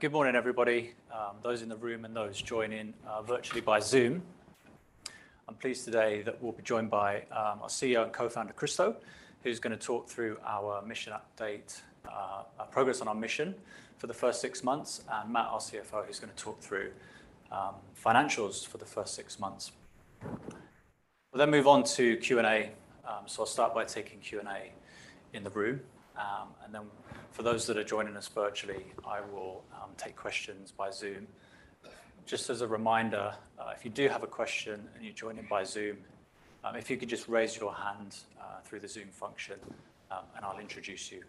Good morning, everybody, those in the room and those joining, virtually by Zoom. I'm pleased today that we'll be joined by our CEO and Co-founder, Kristo, who's going to talk through our mission update, our progress on our mission for the first six months, and Matt, our CFO, who's going to talk through financials for the first six months. We'll then move on to Q&A, so I'll start by taking Q&A in the room. Then for those that are joining us virtually, I will take questions by Zoom. Just as a reminder, if you do have a question and you're joining by Zoom, if you could just raise your hand through the Zoom function, and I'll introduce you.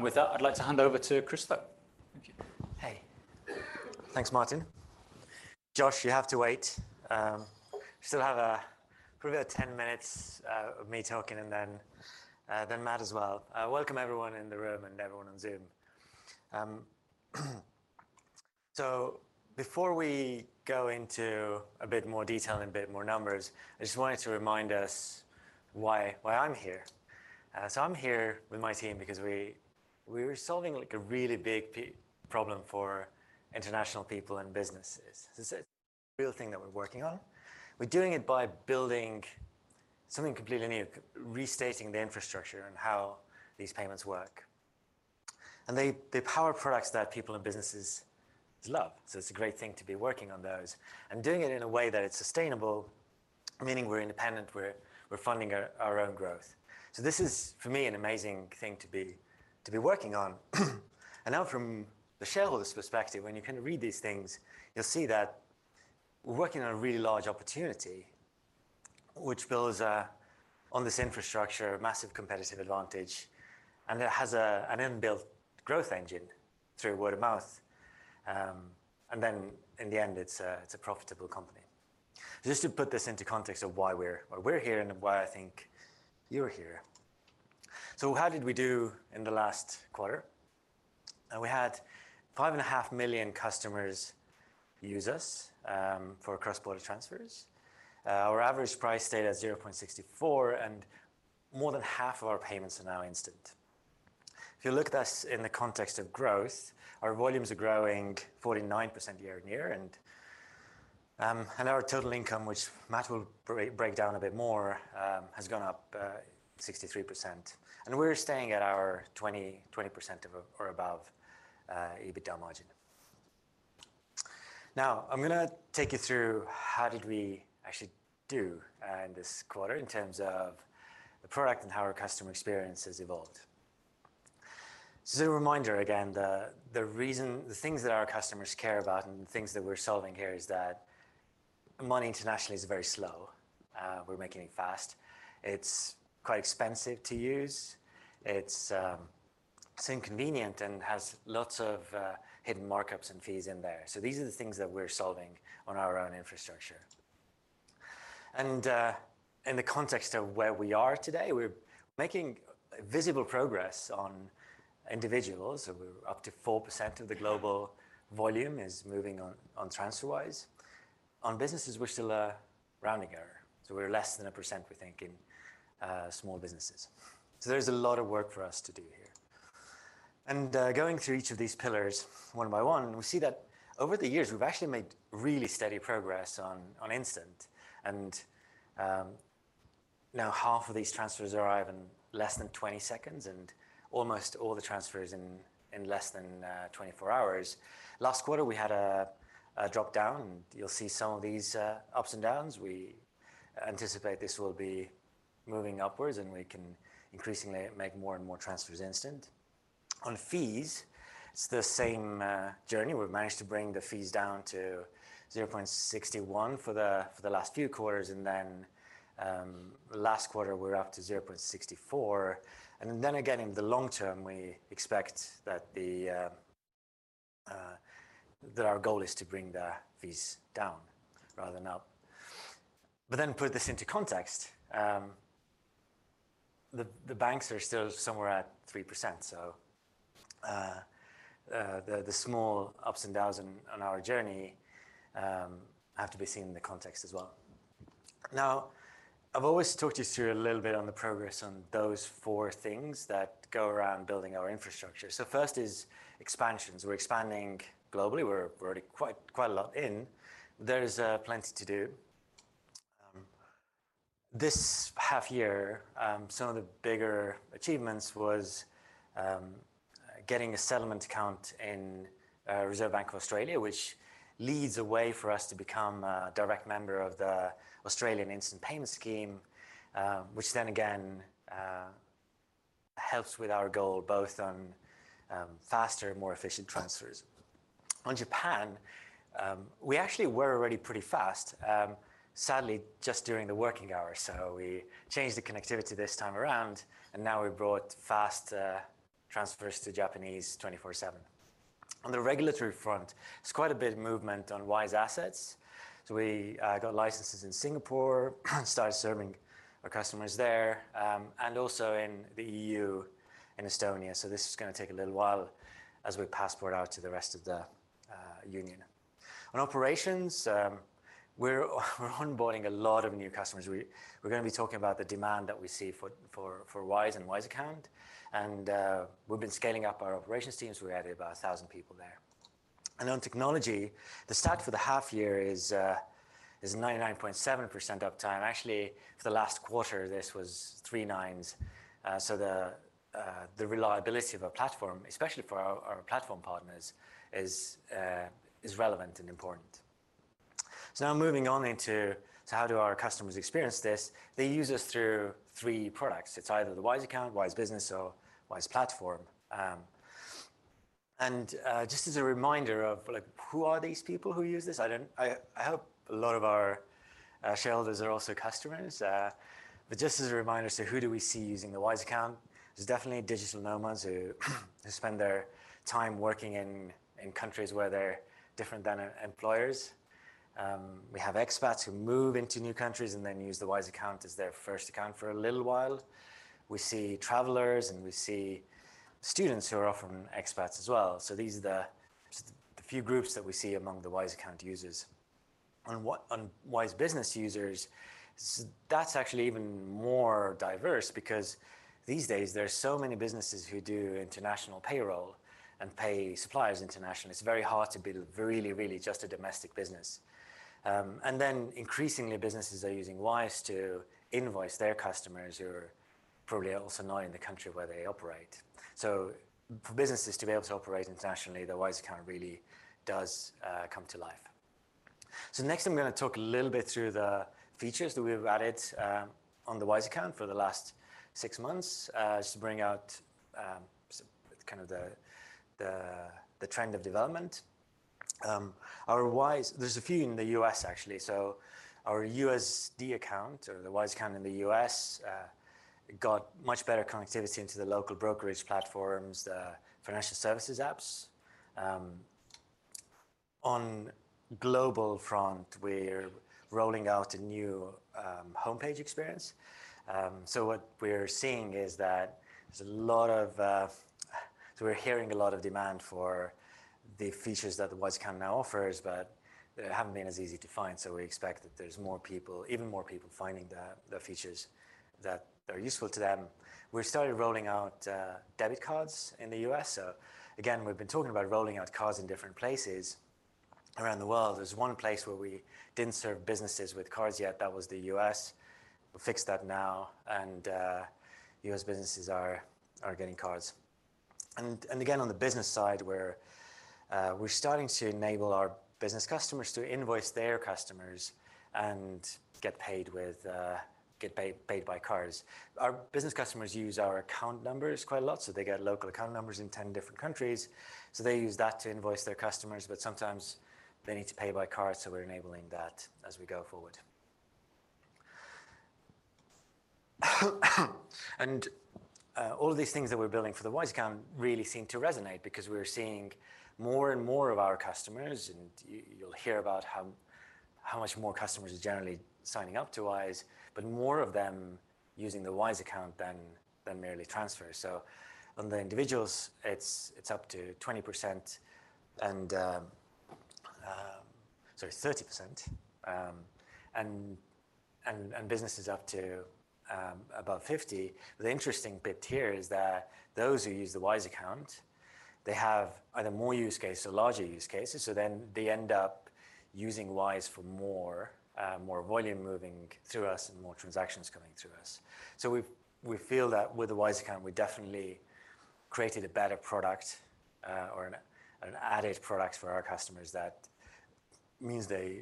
With that, I'd like to hand over to Kristo. Thank you. Hey. Thanks, Martyn. Josh, you have to wait. Still have probably about 10 minutes of me talking and then Matt as well. Welcome everyone in the room and everyone on Zoom. Before we go into a bit more detail and a bit more numbers, I just wanted to remind us why I'm here. I'm here with my team because we're solving, like, a really big problem for international people and businesses. This is a real thing that we're working on. We're doing it by building something completely new, restating the infrastructure and how these payments work. They power products that people and businesses love, so it's a great thing to be working on those and doing it in a way that it's sustainable, meaning we're independent, we're funding our own growth. This is, for me, an amazing thing to be working on. Now from the shareholder's perspective, when you kind of read these things, you'll see that we're working on a really large opportunity, which builds on this infrastructure a massive competitive advantage, and that has an inbuilt growth engine through word of mouth. In the end, it's a profitable company. Just to put this into context of why we're here and why I think you're here. How did we do in the last quarter? We had 5.5 million customers use us for cross-border transfers. Our average price stayed at 0.64%, and more than half of our payments are now instant. If you look at us in the context of growth, our volumes are growing 49% year-on-year, and our total income, which Matt will break down a bit more, has gone up 63%. We're staying at our 20% of or above EBITDA margin. I'm going to take you through how did we actually do in this quarter in terms of the product and how our customer experience has evolved. As a reminder again, the reason the things that our customers care about and the things that we're solving here is that money internationally is very slow. We're making it fast. It's quite expensive to use. It's inconvenient and has lots of hidden markups and fees in there. These are the things that we're solving on our own infrastructure. In the context of where we are today, we're making visible progress on individuals. We're up to 4% of the global volume is moving on Wise. On businesses, we're still a rounding error. We're less than 1%, we think, in small businesses. There's a lot of work for us to do here. Going through each of these pillars one by one, we see that over the years, we've actually made really steady progress on instant. Now half of these transfers arrive in less than 20 seconds and almost all the transfers in less than 24 hours. Last quarter, we had a drop-down. You'll see some of these ups and downs. We anticipate this will be moving upwards, and we can increasingly make more and more transfers instant. On fees, it's the same journey. We've managed to bring the fees down to 0.61% for the last few quarters, and then last quarter, we're up to 0.64%. Again, in the long term, we expect that our goal is to bring the fees down rather than up. Put this into context, the banks are still somewhere at 3%, so the small ups and downs on our journey have to be seen in the context as well. Now, I've always talked you through a little bit on the progress on those four things that go around building our infrastructure. First is expansions. We're expanding globally. We're already quite a lot in. There is plenty to do. This half year, some of the bigger achievements was getting a settlement account in Reserve Bank of Australia, which leads a way for us to become a direct member of the Australian Instant Payment Scheme, which then again helps with our goal both on faster and more efficient transfers. Japan, we actually were already pretty fast, sadly, just during the working hours. We changed the connectivity this time around, and now we brought faster transfers to Japanese 24/7. The regulatory front, there's quite a bit of movement on Wise Assets. We got licenses in Singapore, started serving our customers there, and also in the EU and Estonia. This is going to take a little while as we passport out to the rest of the Union. On operations, we're onboarding a lot of new customers. We're gonna be talking about the demand that we see for Wise and Wise Account. We've been scaling up our operations teams. We added about 1,000 people there. On technology, the stat for the half year is 99.7% uptime. Actually, for the last quarter, this was 99.9%. The reliability of our platform, especially for our platform partners, is relevant and important. Now moving into how do our customers experience this. They use us through three products. It's either the Wise Account, Wise Business, or Wise Platform. Just as a reminder of like who are these people who use this, I hope a lot of our shareholders are also customers. Just as a reminder, who do we see using the Wise Account? There's definitely digital nomads who spend their time working in countries where they're different than employers. We have expats who move into new countries and then use the Wise Account as their first account for a little while. We see travelers, and we see students who are often expats as well. These are the, sort of the few groups that we see among the Wise Account users. On Wise Business users, that's actually even more diverse because these days there are so many businesses who do international payroll and pay suppliers international. It's very hard to be really, really just a domestic business. Then increasingly businesses are using Wise to invoice their customers who are probably also not in the country where they operate. For businesses to be able to operate internationally, the Wise Account really does come to life. Next I'm going to talk a little bit through the features that we've added on the Wise Account for the last six months, just to bring out the trend of development. There's a few in the U.S. actually. Our USD Account or the Wise Account in the U.S. got much better connectivity into the local brokerage platforms, the financial services apps. On global front, we're rolling out a new homepage experience. What we're seeing is that there's a lot of, so we're hearing a lot of demand for the features that the Wise Account now offers, but they haven't been as easy to find. We expect that there's more people, even more people finding the features that are useful to them. We started rolling out debit cards in the U.S. Again, we've been talking about rolling out cards in different places around the world. There's one place where we didn't serve businesses with cards yet, that was the U.S. We've fixed that now and U.S. businesses are getting cards. Again, on the business side, we're starting to enable our business customers to invoice their customers and get paid with cards. Our business customers use our account numbers quite a lot, so they get local account numbers in 10 different countries, so they use that to invoice their customers, but sometimes they need to pay by card, so we're enabling that as we go forward. All of these things that we're building for the Wise Account really seem to resonate because we're seeing more and more of our customers, and you'll hear about how much more customers are generally signing up to Wise, but more of them using the Wise Account than merely transfers. On the individuals, it's up to 20%. Sorry, 30%, and business is up to about 50%. The interesting bit here is that those who use the Wise Account, they have either more use case or larger use cases, they end up using Wise for more volume moving through us and more transactions coming through us. We've, we feel that with the Wise Account, we definitely created a better product, or an added product for our customers that means they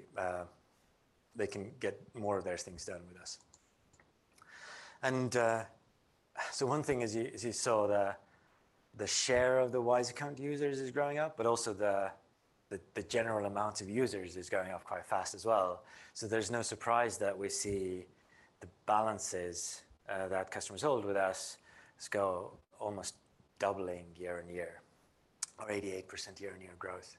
can get more of their things done with us. One thing as you saw, the share of the Wise Account users is going up, but also the general amount of users is going up quite fast as well. There's no surprise that we see the balances that customers hold with us just go almost doubling year-on-year or 88% year-on-year growth.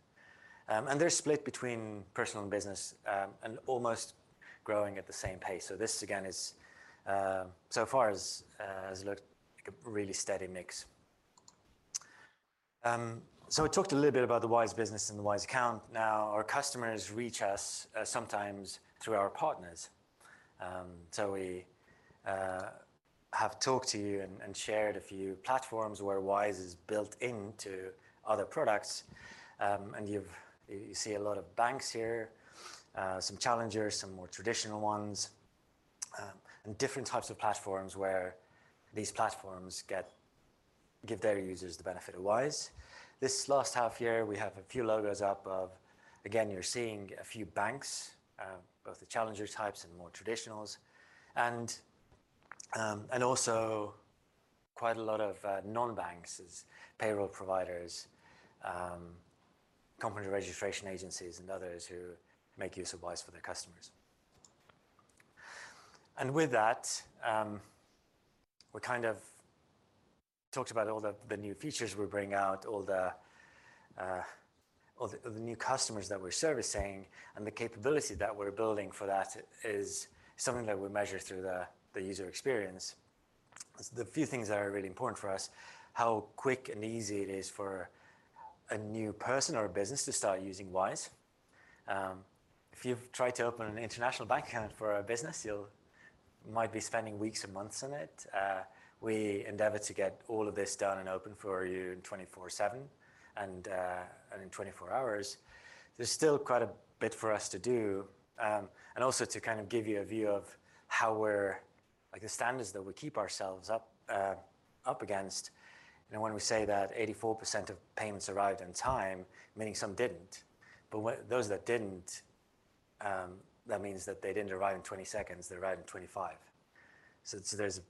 They're split between personal and business and almost growing at the same pace. This again is so far has looked like a really steady mix. We talked a little bit about the Wise Business and the Wise Account. Now our customers reach us sometimes through our partners. We have talked to you and shared a few platforms where Wise is built into other products. You've see a lot of banks here, some challengers, some more traditional ones, and different types of platforms where these platforms give their users the benefit of Wise. This last half year, we have a few logos up of, again, you're seeing a few banks, both the challenger types and more traditionals, and also quite a lot of non-banks as payroll providers, company registration agencies and others who make use of Wise for their customers. With that, we kind of talked about all the new features we're bringing out, all the, all the new customers that we're servicing, and the capability that we're building for that is something that we measure through the user experience. The few things that are really important for us, how quick and easy it is for a new person or a business to start using Wise. If you've tried to open an international bank account for a business, you might be spending weeks or months on it. We endeavor to get all of this done and open for you in 24/7 and in 24 hours. There's still quite a bit for us to do. Also to kind of give you a view of how we're. Like the standards that we keep ourselves up against. You know, when we say that 84% of payments arrived on time, meaning some didn't, but those that didn't, that means that they didn't arrive in 20 seconds, they arrived in 25. There's a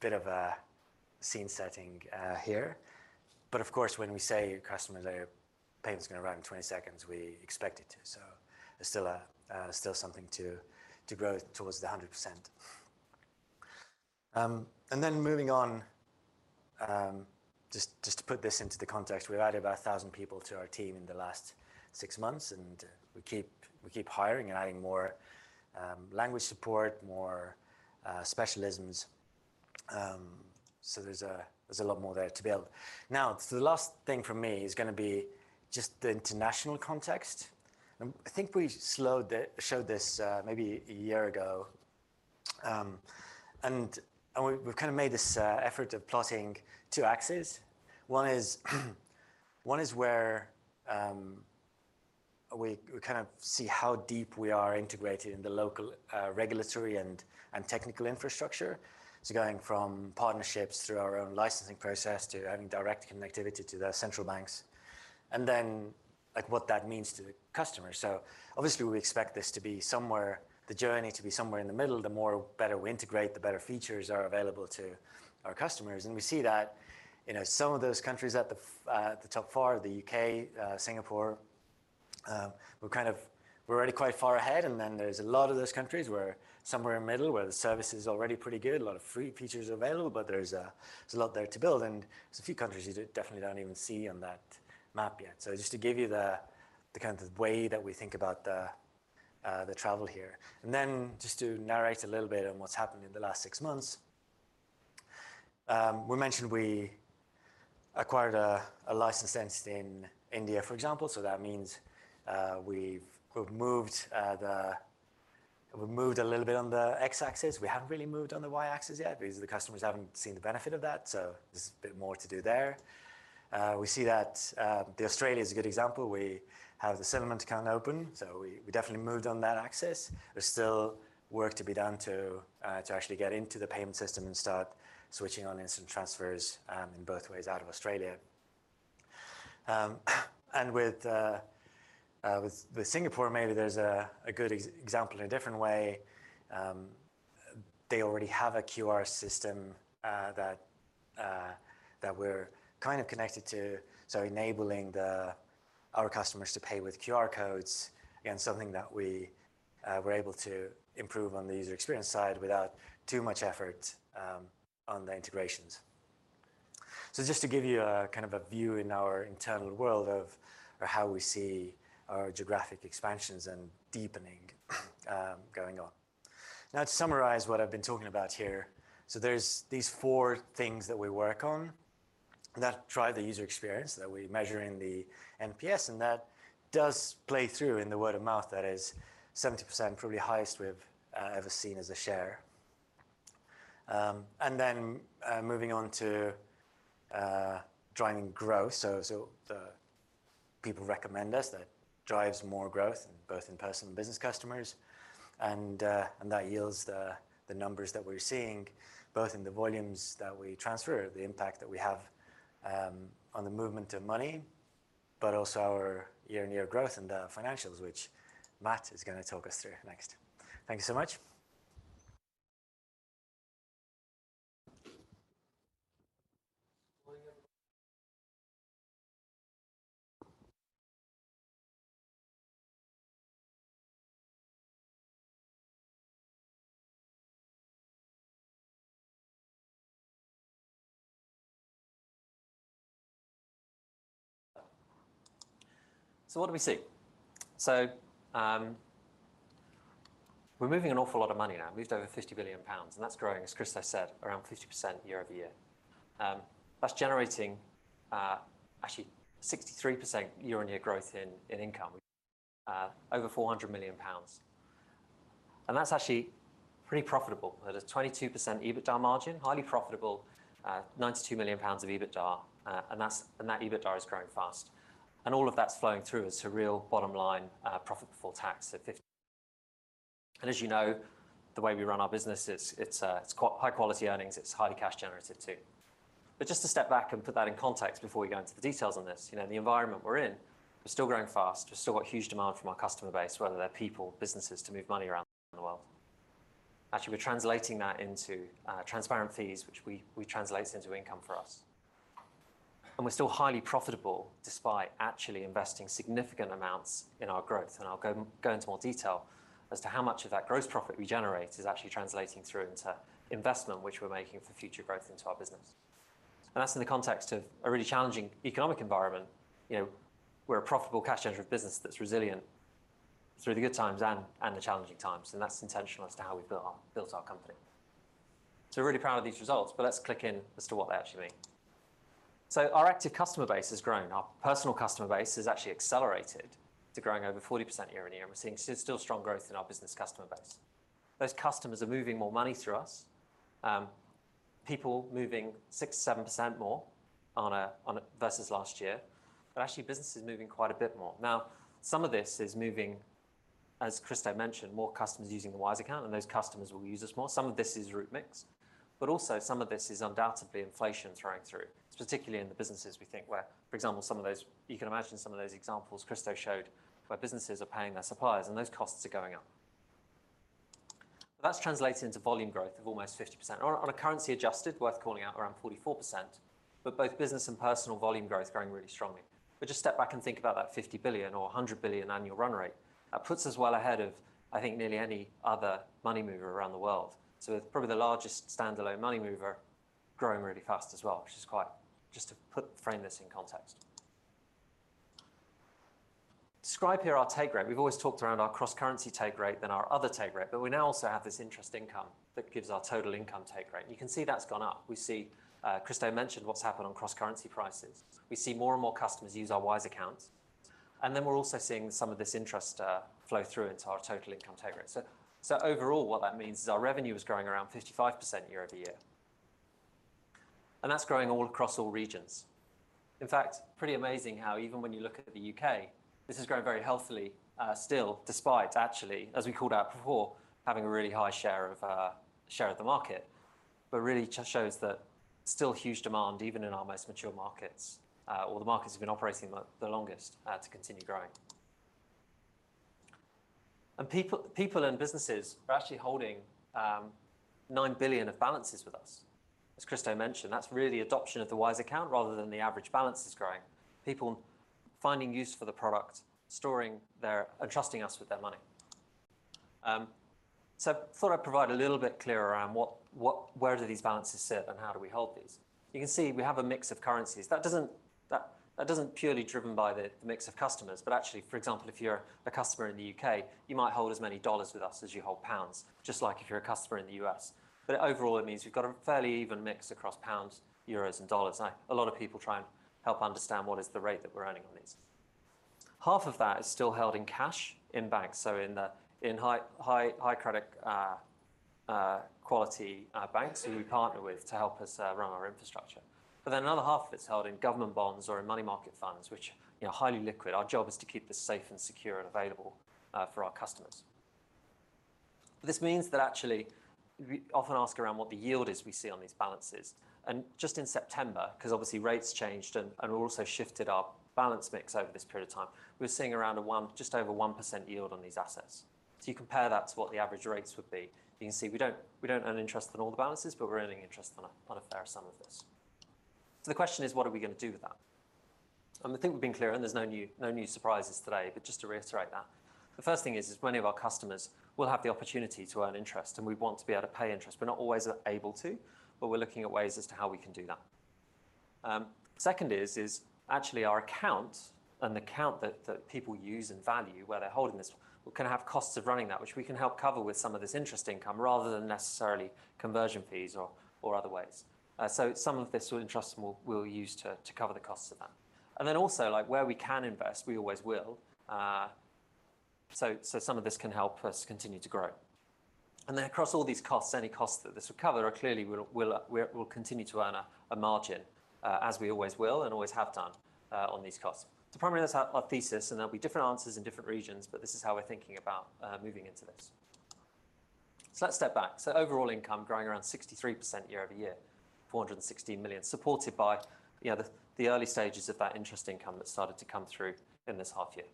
bit of a scene setting here. Of course, when we say to your customers their payment's gonna arrive in 20 seconds, we expect it to. There's still something to grow towards the 100%. Moving on, just to put this into the context, we've added about 1,000 people to our team in the last six months, and we keep hiring and adding more language support, more specialisms. There's a lot more there to build. Now, the last thing from me is gonna be just the international context. I think we showed this maybe a year ago. We've kind of made this effort of plotting two axes. One is where we kind of see how deep we are integrated in the local regulatory and technical infrastructure. Going from partnerships through our own licensing process to having direct connectivity to the central banks, what that means to the customer. Obviously we expect this to be somewhere, the journey to be somewhere in the middle. The better we integrate, the better features are available to our customers. We see that in some of those countries at the top far, the U.K., Singapore, we're kind of, we're already quite far ahead and then there's a lot of those countries where somewhere in the middle where the service is already pretty good, a lot of free features available, but there's a lot there to build and there's a few countries you definitely don't even see on that map yet. Just to give you the kind of way that we think about the travel here. Just to narrate a little bit on what's happened in the last six months. We mentioned we acquired a licensed entity in India, for example. That means we've moved a little bit on the x-axis. We haven't really moved on the y-axis yet because the customers haven't seen the benefit of that. There's a bit more to do there. Australia's a good example. We have the settlement account open. We definitely moved on that axis. There's still work to be done to actually get into the payment system and start switching on instant transfers in both ways out of Australia. With Singapore maybe there's a good example in a different way. They already have a QR system that we're kind of connected to, so enabling our customers to pay with QR codes again something that we were able to improve on the user experience side without too much effort on the integrations. Just to give you a kind of a view in our internal world of how we see our geographic expansions and deepening going on. Now to summarize what I've been talking about here, there's these four things that we work on that drive the user experience that we measure in the NPS, that does play through in the word of mouth that is 70% probably highest we've ever seen as a share. Moving on to driving growth. The people recommend us, that drives more growth both in personal and business customers, and that yields the numbers that we're seeing both in the volumes that we transfer, the impact that we have on the movement of money but also our year-on-year growth and the financials which Matt is gonna talk us through next. Thank you so much. What do we see? We're moving an awful lot of money now. Moved over 50 billion pounds, that's growing, as Kristo said, around 50% year-over-year. That's generating, actually 63% year-on-year growth in income. Over 400 million pounds. That's actually pretty profitable at a 22% EBITDA margin, highly profitable, 92 million pounds of EBITDA. That's, and that EBITDA is growing fast. All of that's flowing through to real bottom line, profit before tax at 50 million. As you know, the way we run our business it's high quality earnings, it's highly cash generative too. Just to step back and put that in context before we go into the details on this. You know, the environment we're in, we're still growing fast. We've still got huge demand from our customer base, whether they're people, businesses to move money around the world. Actually, we're translating that into transparent fees, which we translate into income for us. We're still highly profitable despite actually investing significant amounts in our growth. I'll go into more detail as to how much of that gross profit we generate is actually translating through into investment, which we're making for future growth into our business. That's in the context of a really challenging economic environment. You know, we're a profitable cash generative business that's resilient through the good times and the challenging times, and that's intentional as to how we've built our company. We're really proud of these results, but let's click in as to what they actually mean. Our active customer base has grown. Our personal customer base has actually accelerated to growing over 40% year-on-year. We're seeing still strong growth in our business customer base. Those customers are moving more money through us. People moving 6%-7% more on a versus last year. Actually business is moving quite a bit more. Now, some of this is moving, as Kristo mentioned, more customers using the Wise Account, and those customers will use us more. Some of this is route mix. Also some of this is undoubtedly inflation through and through, particularly in the businesses we think where, for example, some of those you can imagine some of those examples Kristo showed where businesses are paying their suppliers and those costs are going up. That's translated into volume growth of almost 50%. On a currency adjusted, worth calling out, around 44%. Both business and personal volume growth is growing really strongly. Just step back and think about that 50 billion or 100 billion annual run rate. That puts us well ahead of, I think, nearly any other money mover around the world. Probably the largest standalone money mover growing really fast as well, which is quite. Just to frame this in context. Describe here our take rate. We've always talked around our cross-currency take rate, then our other take rate, but we now also have this interest income that gives our total income take rate, and you can see that's gone up. We see Kristo mentioned what's happened on cross-currency prices. We see more and more customers use our Wise accounts, we're also seeing some of this interest flow through into our total income take rate. Overall what that means is our revenue is growing around 55% year-over-year. That's growing all across all regions. In fact, pretty amazing how even when you look at the U.K., this is growing very healthily still, despite actually, as we called out before, having a really high share of share of the market. Really just shows that still huge demand, even in our most mature markets, or the markets we've been operating the longest to continue growing. People and businesses are actually holding 9 billion of balances with us. As Kristo mentioned, that's really adoption of the Wise Account rather than the average balances growing. People finding use for the product, storing and trusting us with their money. Thought I'd provide a little bit clearer around what where do these balances sit and how do we hold these? You can see we have a mix of currencies. That doesn't purely driven by the mix of customers. Actually, for example, if you're a customer in the U.K., you might hold as many dollars with us as you hold pounds, just like if you're a customer in the U.S. Overall it means we've got a fairly even mix across pounds, euros and dollars. A lot of people try and help understand what is the rate that we're earning on these. Half of that is still held in cash in banks, so in high credit quality banks who we partner with to help us run our infrastructure. Another half of it's held in government bonds or in money market funds, which, you know, highly liquid. Our job is to keep this safe and secure and available for our customers. This means that actually we often ask around what the yield is we see on these balances. Just in September, because obviously rates changed and also shifted our balance mix over this period of time, we're seeing around a just over 1% yield on these assets. You compare that to what the average rates would be, you can see we don't earn interest on all the balances, but we're earning interest on a fair sum of this. The question is, what are we gonna do with that? I think we've been clear, and there's no new surprises today, but just to reiterate that. The first thing is many of our customers will have the opportunity to earn interest, and we want to be able to pay interest. We're not always able to, but we're looking at ways as to how we can do that. Second is actually our account, an account that people use and value, where they're holding this, we're gonna have costs of running that which we can help cover with some of this interest income rather than necessarily conversion fees or other ways. So some of this interest we'll use to cover the costs of that. Also, like, where we can invest, we always will. So some of this can help us continue to grow. Across all these costs, any costs that this would cover are clearly, we'll continue to earn a margin as we always will and always have done on these costs. Primarily that's our thesis, and there'll be different answers in different regions, but this is how we're thinking about moving into this. Let's step back. Overall income growing around 63% year-over-year, 416 million, supported by, you know, the early stages of that interest income that started to come through in this half year.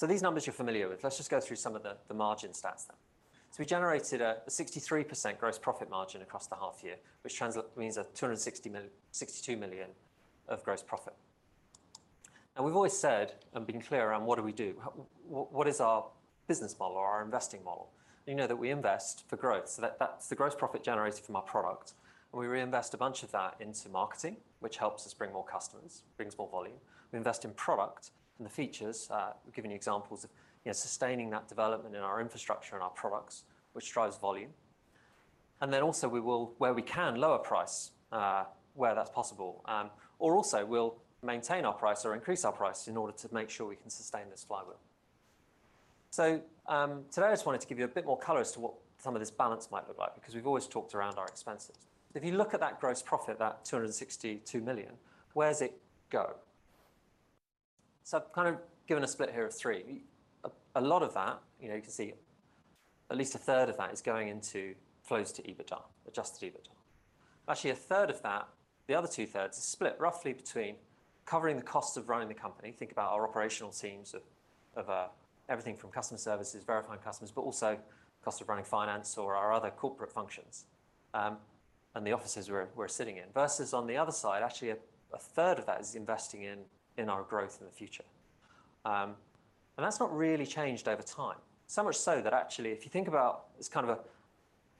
These numbers you're familiar with. Let's just go through some of the margin stats then. We generated a 63% gross profit margin across the half year, which means 262 million of gross profit. We've always said and been clear around what do we do. What, what is our business model or our investing model? You know that we invest for growth, so that's the gross profit generated from our product, and we reinvest a bunch of that into marketing, which helps us bring more customers, brings more volume. We invest in product and the features. We've given you examples of, you know, sustaining that development in our infrastructure and our products, which drives volume. Also we will, where we can, lower price where that's possible. Also we'll maintain our price or increase our price in order to make sure we can sustain this flywheel. Today I just wanted to give you a bit more color as to what some of this balance might look like, because we've always talked around our expenses. If you look at that gross profit, that 262 million, where does it go? I've kind of given a split here of three. A lot of that, you know, you can see at least a third of that is going into flows to EBITDA, adjusted EBITDA. Actually a third of that, the other two thirds, is split roughly between covering the costs of running the company, think about our operational teams of everything from customer services, verifying customers, but also cost of running finance or our other corporate functions, and the offices we're sitting in. Versus on the other side, actually a third of that is investing in our growth in the future. That's not really changed over time. Much so that actually, there's kind of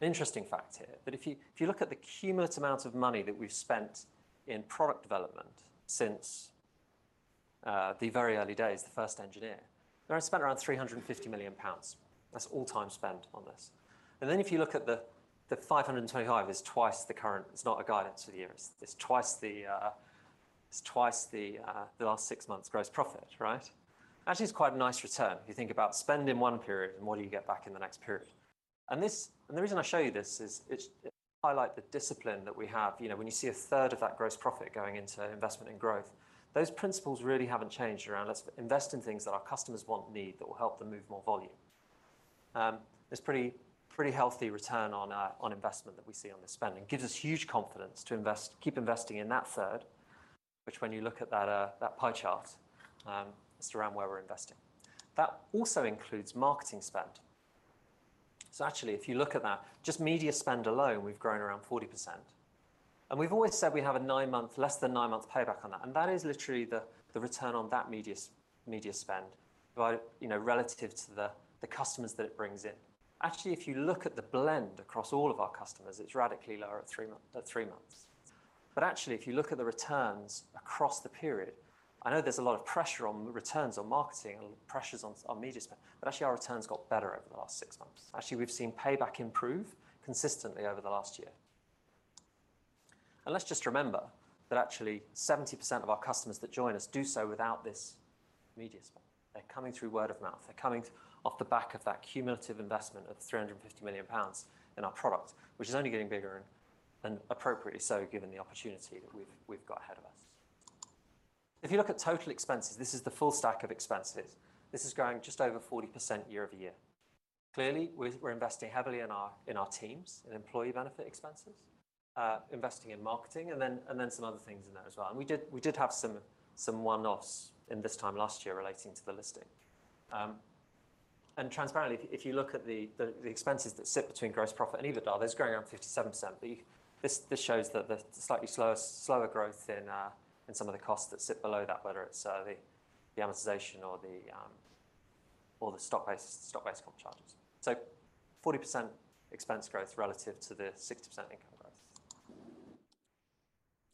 an interesting fact here. If you look at the cumulative amount of money that we've spent in product development since the very early days, the first engineer, we've spent around 350 million pounds. That's all time spent on this. If you look at the 525 is twice the current. It's not a guidance for the year. It's, it's twice the, it's twice the last six months' gross profit, right? Actually, it's quite a nice return if you think about spend in one period, and what do you get back in the next period. The reason I show you this is, I like the discipline that we have, you know, when you see a third of that gross profit going into investment and growth. Those principles really haven't changed around us. Invest in things that our customers want and need that will help them move more volume. There's pretty healthy return on investment that we see on this spending. Gives us huge confidence to keep investing in that third, which when you look at that pie chart, it's around where we're investing. That also includes marketing spend. Actually, if you look at that, just media spend alone, we've grown around 40%. We've always said we have a nine-month, less than nine-month payback on that. That is literally the return on that media spend by, you know, relative to the customers that it brings in. Actually, if you look at the blend across all of our customers, it's radically lower at three months. Actually, if you look at the returns across the period, I know there's a lot of pressure on returns on marketing and pressures on media spend, but actually our returns got better over the last six months. Actually, we've seen payback improve consistently over the last year. Let's just remember that actually 70% of our customers that join us do so without this media spend. They're coming through word of mouth. They're coming off the back of that cumulative investment of 350 million pounds in our product, which is only getting bigger and appropriately so, given the opportunity that we've got ahead of us. If you look at total expenses, this is the full stack of expenses. This is growing just over 40% year-over-year. Clearly, we're investing heavily in our teams, in employee benefit expenses, investing in marketing, and then some other things in there as well. We did have some one-offs in this time last year relating to the listing. Transparently, if you look at the expenses that sit between gross profit and EBITDA, those are growing around 57%. This shows that the slower growth in some of the costs that sit below that, whether it's the amortization or the stock-based comp charges. 40% expense growth relative to the 60% income growth.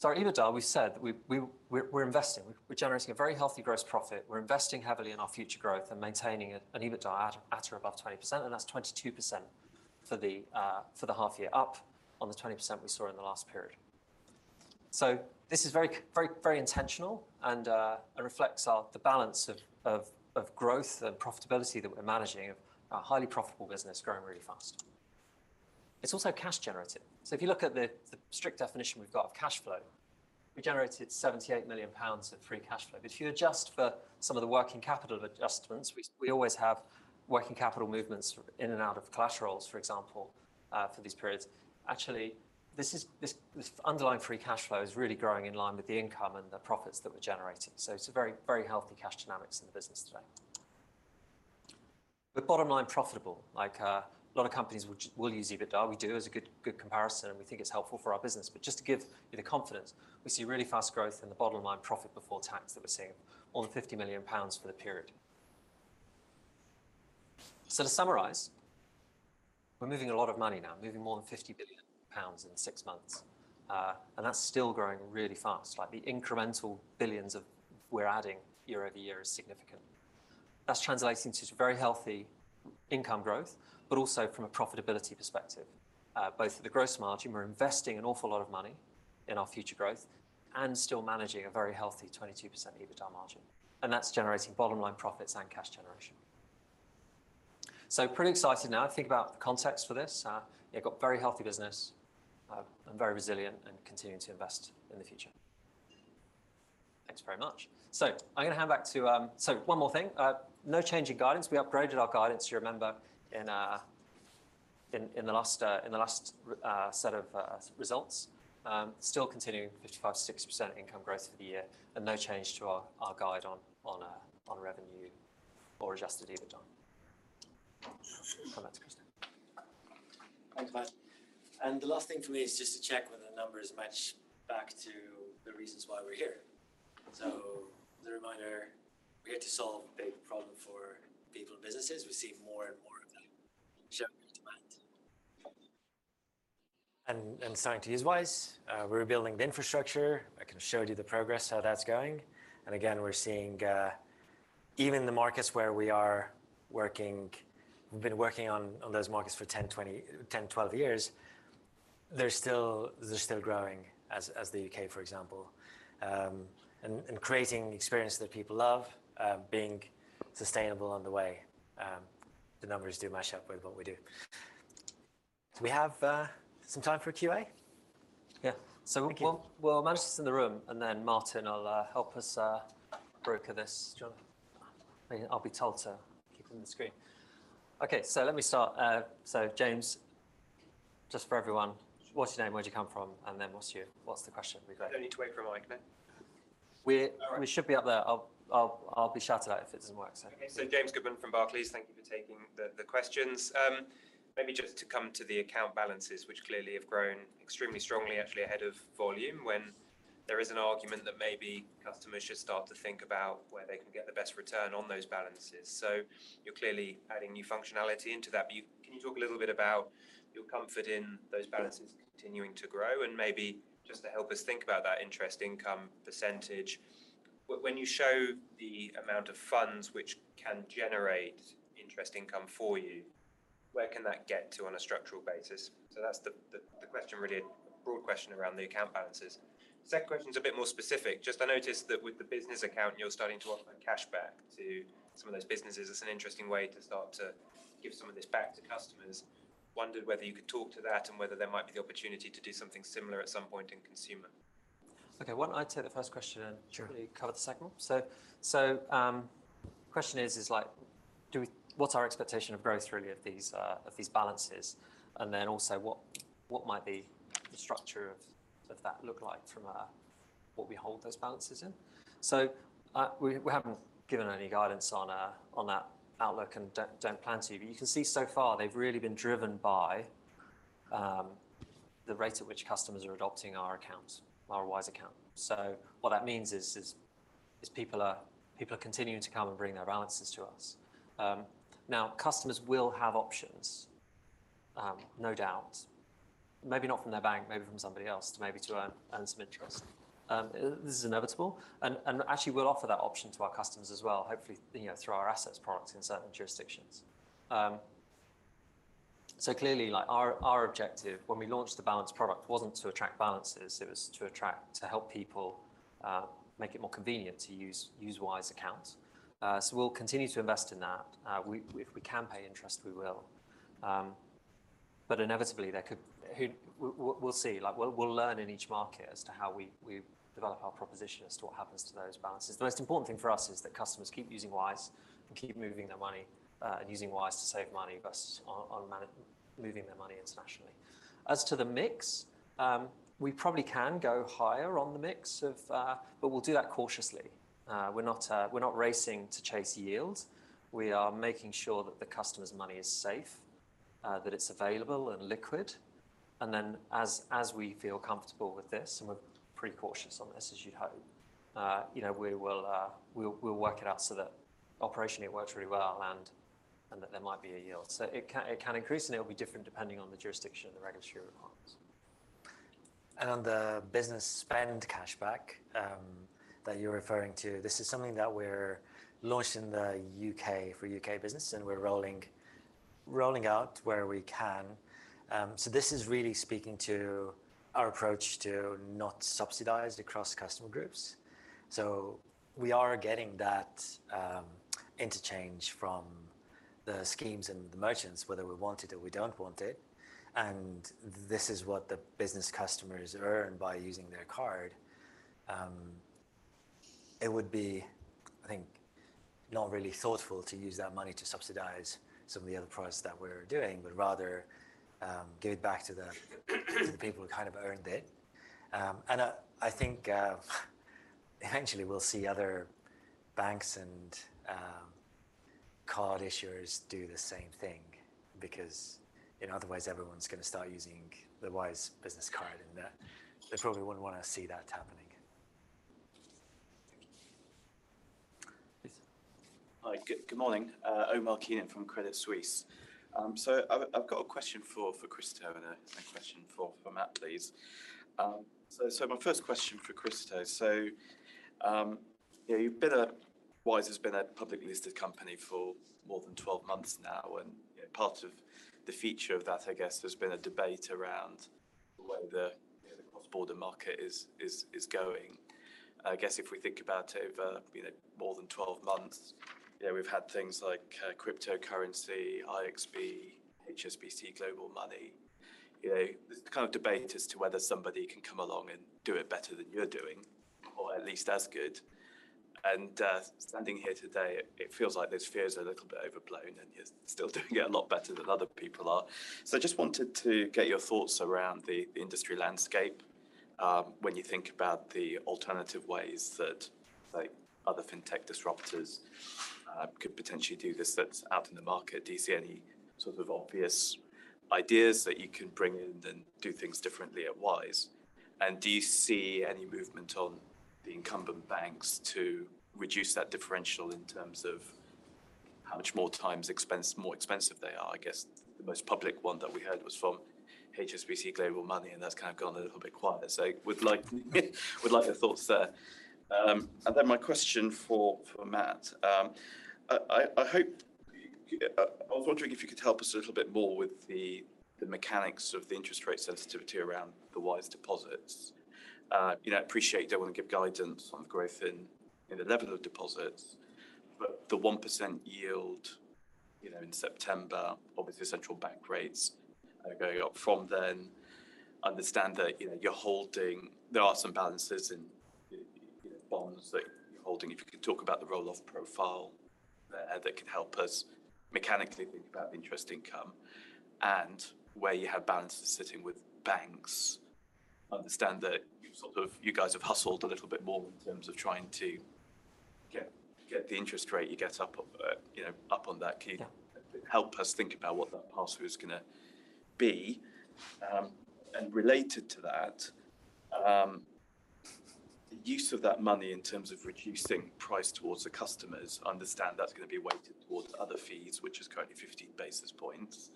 Our EBITDA, we said, we're investing. We're generating a very healthy gross profit. We're investing heavily in our future growth and maintaining an EBITDA at or above 20%, and that's 22% for the half year up on the 20% we saw in the last period. This is very, very intentional and it reflects the balance of growth and profitability that we're managing of a highly profitable business growing really fast. It's also cash generative. If you look at the strict definition we've got of cash flow, we generated 78 million pounds of free cash flow. If you adjust for some of the working capital adjustments, we always have working capital movements in and out of collaterals, for example, for these periods. Actually, this underlying free cash flow is really growing in line with the income and the profits that we're generating. It's a very, very healthy cash dynamics in the business today. We're bottom-line profitable, like a lot of companies which will use EBITDA. We do as a good comparison. We think it's helpful for our business. Just to give you the confidence, we see really fast growth in the bottom-line profit before tax that we're seeing, more than 50 million pounds for the period. To summarize, we're moving a lot of money now, moving more than 50 billion pounds in six months, that's still growing really fast. Like the incremental billions we're adding year-over-year is significant. That's translating to very healthy income growth, also from a profitability perspective, both at the gross margin, we're investing an awful lot of money in our future growth and still managing a very healthy 22% EBITDA margin. That's generating bottom-line profits and cash generation. Pretty excited now. Think about the context for this. Yeah, got very healthy business and very resilient and continuing to invest in the future. Thanks very much. I'm gonna hand back to. One more thing. No change in guidance. We upgraded our guidance, you remember, in the last set of results. Still continuing 55%-60% income growth for the year and no change to our guide on revenue or adjusted EBITDA. I'll come back to Kristo. Thanks, Matt. The last thing for me is just to check whether the numbers match back to the reasons why we're here. As a reminder, we're here to solve a big problem for people and businesses. We see more and more of that, generally demand. Scientific use-wise, we're building the infrastructure. I kind of showed you the progress, how that's going. Again, we're seeing, even the markets where we are working, we've been working on those markets for 10, 20, 10, 12 years. They're still growing as the U.K., for example. Creating the experience that people love, being sustainable on the way, the numbers do match up with what we do. Do we have some time for a QA? Yeah. Thank you. We'll manage this in the room, and then Martyn will help us broker this. Do you want to? I'll be told to keep it in the screen. Okay. Let me start. So James, just for everyone, what's your name? Where do you come from? Then what's your, what's the question we've got? No need to wait for a mic then. We- All right. We should be up there. I'll be shouted at if it doesn't work, so. Okay. James Goodman from Barclays. Thank you for taking the questions. Maybe just to come to the account balances, which clearly have grown extremely strongly, actually ahead of volume. There is an argument that maybe customers should start to think about where they can get the best return on those balances. You're clearly adding new functionality into that, but can you talk a little bit about your comfort in those balances continuing to grow? Maybe just to help us think about that interest income percentage. When you show the amount of funds which can generate interest income for you, where can that get to on a structural basis? That's the question really, a broad question around the account balances. Second question is a bit more specific. Just I noticed that with the business account, you're starting to offer cashback to some of those businesses. It's an interesting way to start to give some of this back to customers. Wondered whether you could talk to that and whether there might be the opportunity to do something similar at some point in consumer. Okay. Why don't I take the first question. Sure ...really cover the second one? Question is, like what's our expectation of growth really of these balances, and then also what might be the structure of that look like from what we hold those balances in? We haven't given any guidance on that outlook and don't plan to. You can see so far they've really been driven by the rate at which customers are adopting our accounts, our Wise Account. What that means is people are continuing to come and bring their balances to us. Customers will have options, no doubt. Maybe not from their bank, maybe from somebody else to earn some interest. This is inevitable, and actually we'll offer that option to our customers as well, hopefully, you know, through our assets products in certain jurisdictions. Clearly like our objective when we launched the balance product wasn't to attract balances, it was to attract to help people make it more convenient to use Wise accounts. We'll continue to invest in that. We if we can pay interest, we will. Inevitably there could. We'll see. Like, we'll learn in each market as to how we develop our proposition as to what happens to those balances. The most important thing for us is that customers keep using Wise and keep moving their money, and using Wise to save money versus on moving their money internationally. As to the mix, we probably can go higher on the mix of... We'll do that cautiously. We're not, we're not racing to chase yield. We are making sure that the customer's money is safe, that it's available and liquid. Then as we feel comfortable with this, and we're pretty cautious on this as you'd hope, you know, we will, we'll work it out so that operationally it works really well and that there might be a yield. It can increase and it'll be different depending on the jurisdiction and the regulatory requirements. On the business spend cashback, that you're referring to, this is something that we're launching in the U.K. For U.K. business, and we're rolling out where we can. This is really speaking to our approach to not subsidize across customer groups. We are getting that, interchange from the schemes and the merchants whether we want it or we don't want it, and this is what the business customers earn by using their card. It would be, I think, not really thoughtful to use that money to subsidize some of the other products that we're doing, but rather, give it back to the, to the people who kind of earned it. I think, eventually we'll see other banks and card issuers do the same thing because, you know, otherwise everyone's gonna start using the Wise Business card, they probably wouldn't wanna see that happening. Hi. Good morning. Omar Keenan from Credit Suisse. I've got a question for Kristo and a question for Matt, please. My first question for Kristo. you know, you've been Wise has been a publicly listed company for more than 12 months now, and, you know, part of the feature of that, I guess, there's been a debate around where the, you know, cross-border market is going. I guess if we think about over, you know, more than 12 months, you know, we've had things like cryptocurrency, IXP, HSBC Global Money. You know, the kind of debate as to whether somebody can come along and do it better than you're doing, or at least as good. Standing here today, it feels like those fears are a little bit overblown, and you're still doing it a lot better than other people are. I just wanted to get your thoughts around the industry landscape, when you think about the alternative ways that like other fintech disruptors could potentially do this that's out in the market. Do you see any sort of obvious ideas that you can bring in and do things differently at Wise? Do you see any movement on the incumbent banks to reduce that differential in terms of how much more times expense, more expensive they are? I guess the most public one that we heard was from HSBC Global Money, that's kind of gone a little bit quiet. Would like your thoughts there. My question for Matt, I hope... I was wondering if you could help us a little bit more with the mechanics of the interest rate sensitivity around the Wise deposits. You know, I appreciate you don't wanna give guidance on growth in the level of deposits, but the 1% yield, you know, in September, obviously central bank rates are going up from then. Understand that, you know, you're holding, there are some balances in, you know, bonds that you're holding. If you could talk about the roll-off profile there that could help us mechanically think about the interest income and where you have balances sitting with banks. Understand that you've sort of, you guys have hustled a little bit more in terms of trying to get the interest rate, you get up, you know, up on that. Yeah can you help us think about what that pathway is gonna be? Related to that, the use of that money in terms of reducing price towards the customers, understand that's gonna be weighted towards other fees, which is currently 15 basis points.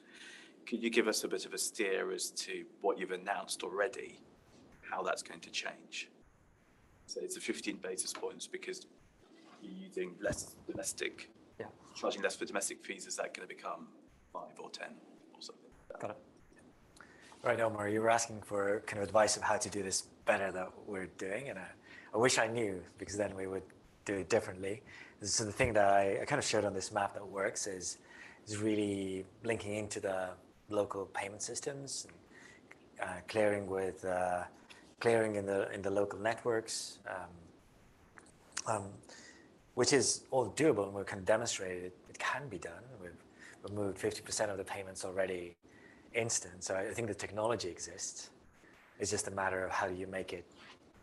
Can you give us a bit of a steer as to what you've announced already, how that's going to change? It's a 15 basis points because you're using less domestic. Yeah... charging less for domestic fees. Is that gonna become five or 10 or something like that? Got it. Right, Omar, you were asking for kind of advice of how to do this better than what we're doing, and I wish I knew because then we would do it differently. The thing that I kind of shared on this map that works is really linking into the local payment systems and clearing with clearing in the local networks, which is all doable, and we can demonstrate it. It can be done. We've removed 50% of the payments already instant. I think the technology exists. It's just a matter of how you make it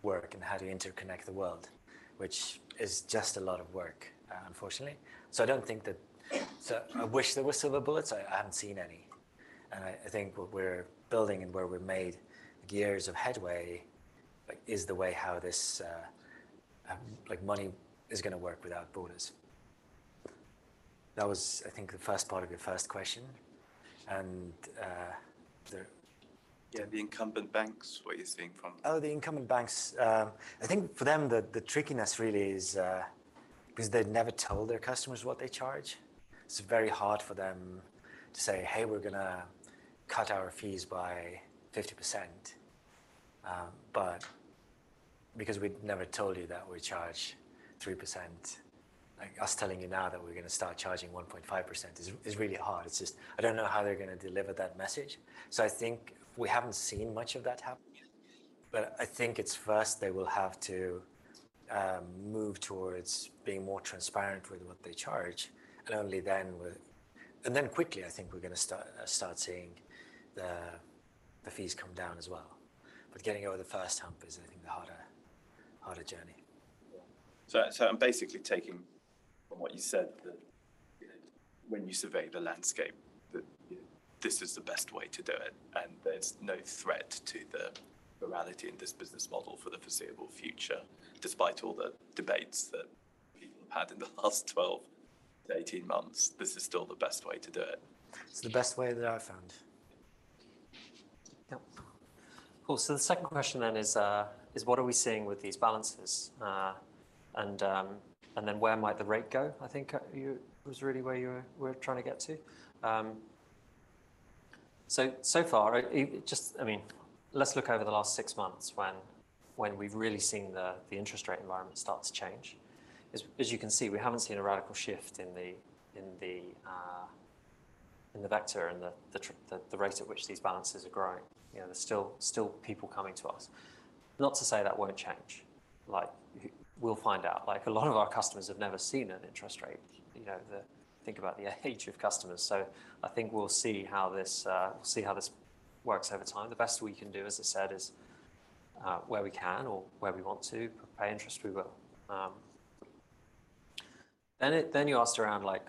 work and how do you interconnect the world, which is just a lot of work, unfortunately. I wish there were silver bullets. I haven't seen any. I think what we're building and where we've made years of headway, like, is the way how this, like, money is gonna work without borders. That was, I think, the first part of your first question. Yeah, the incumbent banks, what are you seeing from them? The incumbent banks, I think for them the trickiness really is because they never tell their customers what they charge, it's very hard for them to say, "Hey, we're gonna cut our fees by 50%," but because we never told you that we charge 3%, like us telling you now that we're gonna start charging 1.5% is really hard. It's just I don't know how they're gonna deliver that message. I think we haven't seen much of that happen yet, but I think it's first they will have to move towards being more transparent with what they charge, and only then quickly, I think we're gonna start seeing the fees come down as well. Getting over the first hump is I think the harder journey. Yeah. I'm basically taking from what you said that when you survey the landscape, that this is the best way to do it, and there's no threat to the morality in this business model for the foreseeable future. Despite all the debates that people have had in the last 12-18 months, this is still the best way to do it. It's the best way that I've found. Yep. Cool. The second question then is what are we seeing with these balances? Where might the rate go, I think, was really where you were trying to get to. So far, I mean, let's look over the last six months when we've really seen the interest rate environment start to change. As you can see, we haven't seen a radical shift in the in the vector and the rate at which these balances are growing. You know, there's still people coming to us. Not to say that won't change. Like, we'll find out. Like, a lot of our customers have never seen an interest rate. You know, think about the age of customers. I think we'll see how this, we'll see how this works over time. The best we can do, as I said, is, where we can or where we want to pay interest, we will. You asked around like,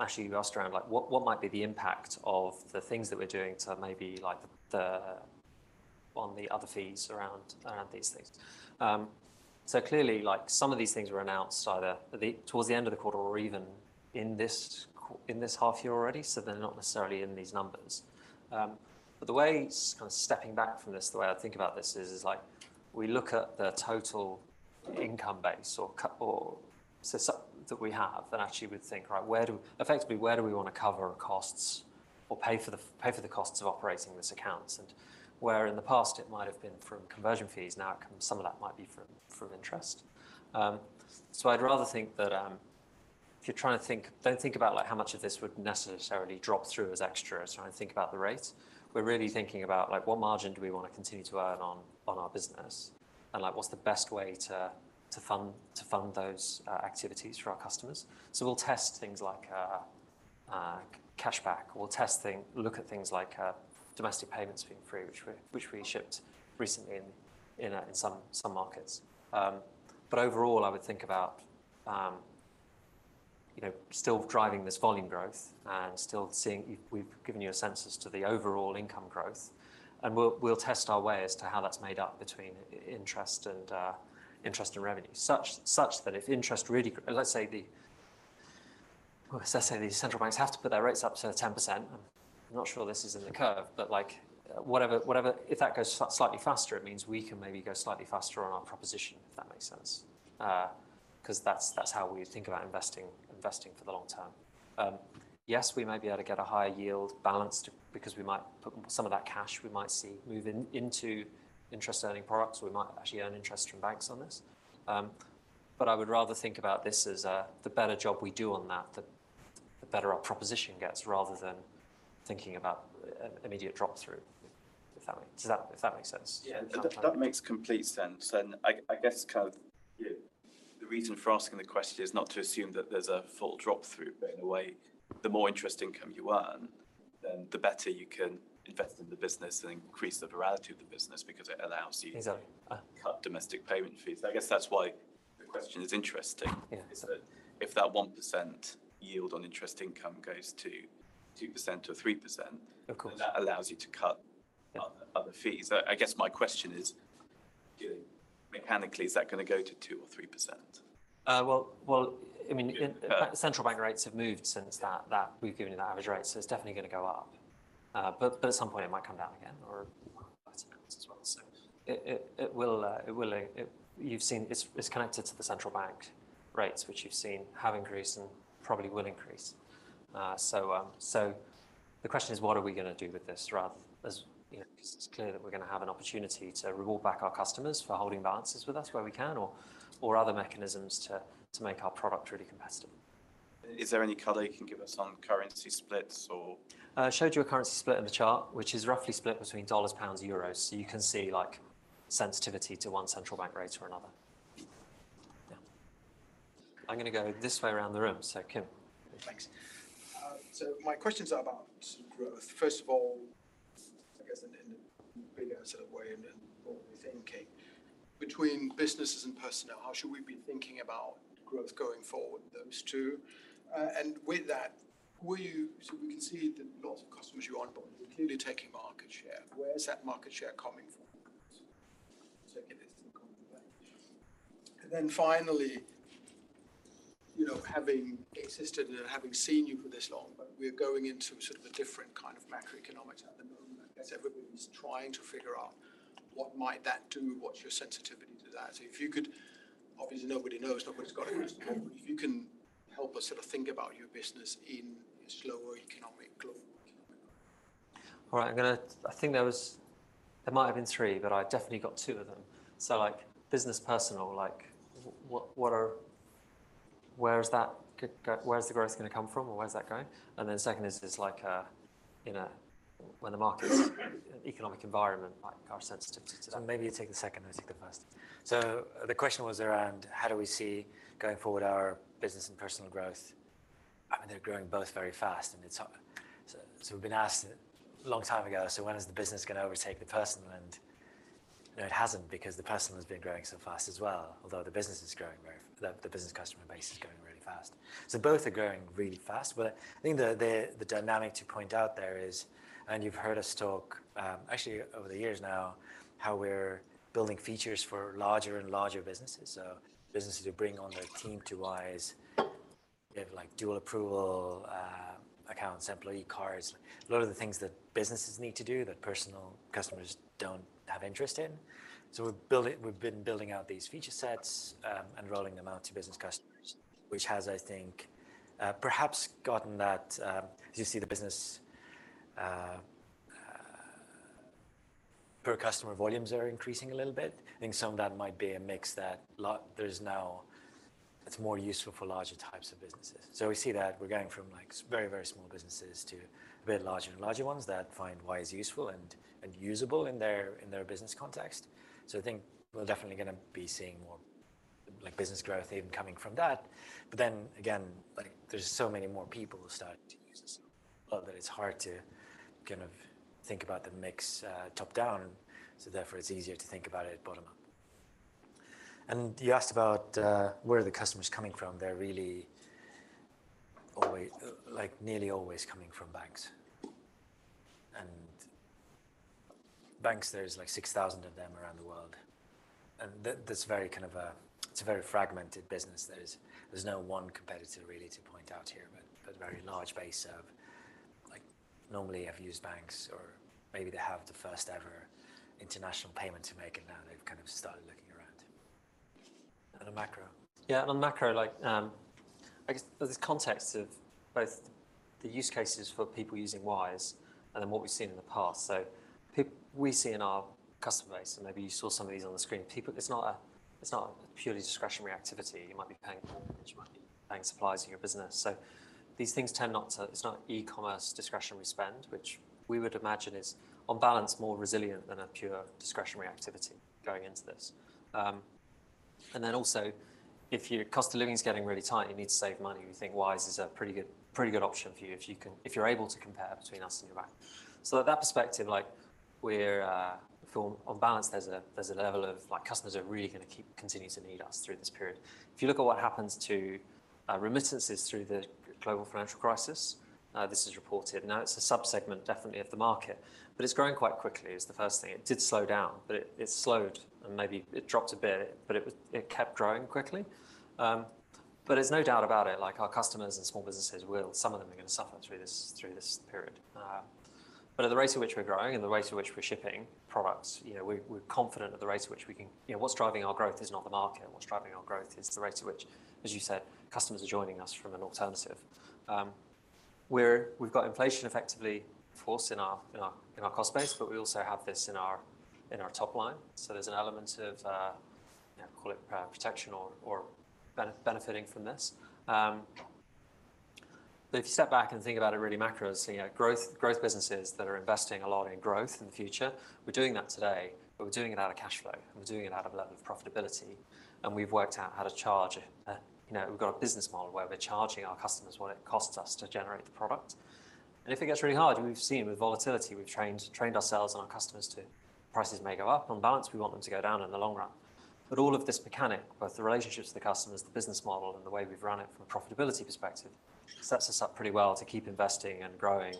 actually you asked around like what might be the impact of the things that we're doing to maybe like the, on the other fees around these things. Clearly, like some of these things were announced either the, towards the end of the quarter or even in this quarter in this half year already, so they're not necessarily in these numbers. The way kind of stepping back from this, the way I think about this is like we look at the total income base or so that we have and actually we think, right, effectively, where do we wanna cover our costs or pay for the costs of operating this accounts? Where in the past it might have been from conversion fees, now some of that might be from interest. I'd rather think that, if you're trying to think, don't think about like how much of this would necessarily drop through as extra, so when you think about the rate. We're really thinking about like what margin do we want to continue to earn on our business, and like what's the best way to fund those activities for our customers. We'll test things like cashback. We'll test look at things like domestic payments being free, which we shipped recently in some markets. Overall, I would think about, you know, still driving this volume growth and still seeing... We've given you a census to the overall income growth, and we'll test our way as to how that's made up between interest and interest and revenue. Such that if interest really let's say the... As I say, these central banks have to put their rates up to 10%. I'm not sure this is in the curve, but like, whatever. If that goes slightly faster, it means we can maybe go slightly faster on our proposition, if that makes sense. 'Cause that's how we think about investing for the long term. Yes, we may be able to get a higher yield balance to because we might put some of that cash we might see move into interest-earning products. We might actually earn interest from banks on this. I would rather think about this as, the better job we do on that, the better our proposition gets rather than thinking about immediate drop-through. Does that, if that makes sense? Yeah. That makes complete sense. I guess kind of the reason for asking the question is not to assume that there's a full drop-through, but in a way, the more interest income you earn, then the better you can invest in the business and increase the virality of the business because it allows you. Exactly.... to cut domestic payment fees. I guess that's why the question is interesting. Yeah... is that if that 1% yield on interest income goes to 2% or 3%. Of course.... that allows you to cut other fees. I guess my question is, you know, mechanically, is that gonna go to 2% or 3%? Uh, well, well, I mean- Yeah in Central Bank rates have moved since that. We've given you the average rate, so it's definitely gonna go up. At some point it might come down again or quite a bit as well. It will. You've seen, it's connected to the Central Bank rates, which you've seen have increased and probably will increase. The question is what are we gonna do with this rather as, you know, 'cause it's clear that we're gonna have an opportunity to reward back our customers for holding balances with us where we can or other mechanisms to make our product really competitive. Is there any color you can give us on currency splits or? I showed you a currency split in the chart, which is roughly split between dollars, pounds, euros. You can see like sensitivity to one Central Bank rate or another. Yeah. I'm gonna go this way around the room. Kim. Thanks. My question's about growth. First of all, I guess in a bigger sort of way and in broadly thinking, between businesses and personal, how should we be thinking about growth going forward, those two? With that, we can see the lots of customers you onboard, you're clearly taking market share. Where is that market share coming from? Second is the competition. Finally, you know, having assisted and having seen you for this long, but we're going into sort of a different kind of macroeconomics at the moment. I guess everybody's trying to figure out what might that do, what's your sensitivity to that? If you could. Obviously, nobody knows nobody's got a crystal ball. If you can help us sort of think about your business in a slower economic global market. All right. I'm gonna. There might have been three, but I definitely got two of them. Like business personal, like what, where's the growth gonna come from or where's that going? Second is like, you know, when the market's economic environment, like our sensitivity to that. Maybe you take the second, I take the first. The question was around how do we see going forward our business and personal growth. I mean, they're growing both very fast and it's, so we've been asked a long time ago, when is the business gonna overtake the personal? You know, it hasn't because the personal has been growing so fast as well, although the business is growing very the business customer base is growing really fast. Both are growing really fast. I think the dynamic to point out there is, and you've heard us talk, actually over the years now, how we're building features for larger and larger businesses. Businesses who bring on their team to Wise, we have like dual approval, accounts, employee cards, a lot of the things that businesses need to do that personal customers don't have interest in. We've been building out these feature sets, and rolling them out to business customers, which has, I think, perhaps gotten that, as you see the business per customer volumes are increasing a little bit. I think some of that might be a mix that there's now... It's more useful for larger types of businesses. We see that we're going from like very, very small businesses to very larger and larger ones that find Wise useful and usable in their business context. I think we're definitely gonna be seeing more like business growth even coming from that. Again, like there's so many more people starting to use this a lot that it's hard to kind of think about the mix top-down. Therefore, it's easier to think about it bottom-up. You asked about where are the customers coming from. They're really like nearly always coming from banks. Banks, there's like 6,000 of them around the world, and that's very kind of it's a very fragmented business. There's no one competitor really to point out here, but very large base of like normally have used banks or maybe they have the first ever international payment to make and now they've kind of started looking around. On macro. Yeah, on macro, like, I guess there's this context of both the use cases for people using Wise and then what we've seen in the past. We see in our customer base, and maybe you saw some of these on the screen. It's not a, it's not a purely discretionary activity. You might be paying mortgage, you might be paying suppliers in your business. These things tend not to. It's not e-commerce discretionary spend, which we would imagine is on balance more resilient than a pure discretionary activity going into this. Also if your cost of living is getting really tight, you need to save money, we think Wise is a pretty good option for you if you're able to compare between us and your bank. At that perspective, like we're feel on balance, there's a level of like customers are really gonna keep continuing to need us through this period. If you look at what happens to remittances through the global financial crisis, this is reported. Now, it's a sub-segment definitely of the market, but it's growing quite quickly is the first thing. It did slow down, but it slowed and maybe it dropped a bit, but it kept growing quickly. There's no doubt about it, like our customers and small businesses will, some of them are going to suffer through this period. At the rate at which we're growing and the rate at which we're shipping products, you know, we're confident. You know, what's driving our growth is not the market. What's driving our growth is the rate at which, as you said, customers are joining us from an alternative. We've got inflation effectively forced in our cost base, but we also have this in our top line. There's an element of, you know, call it, protection or benefiting from this. If you step back and think about it really macro. You know, growth businesses that are investing a lot in growth in the future, we're doing that today, but we're doing it out of cash flow, and we're doing it out of a level of profitability. You know, we've worked out how to charge. We've got a business model where we're charging our customers what it costs us to generate the product. If it gets really hard, we've seen with volatility, we've trained ourselves and our customers to. Prices may go up. On balance, we want them to go down in the long run. All of this mechanic, both the relationships with the customers, the business model, and the way we've run it from a profitability perspective, sets us up pretty well to keep investing and growing,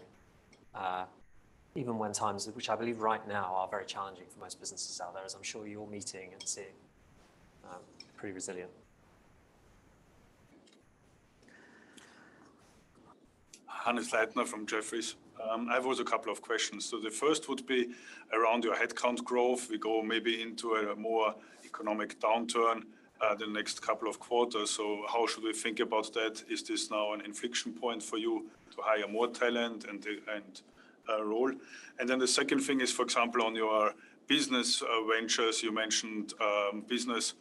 even when times, which I believe right now are very challenging for most businesses out there, as I'm sure you're meeting and seeing, pretty resilient. Hannes Leitner from Jefferies. I've also a couple of questions. The first would be around your headcount growth. We go maybe into a more economic downturn, the next couple of quarters, so how should we think about that? Is this now an inflection point for you to hire more talent and role? Then the second thing is, for example, on your business ventures, you mentioned business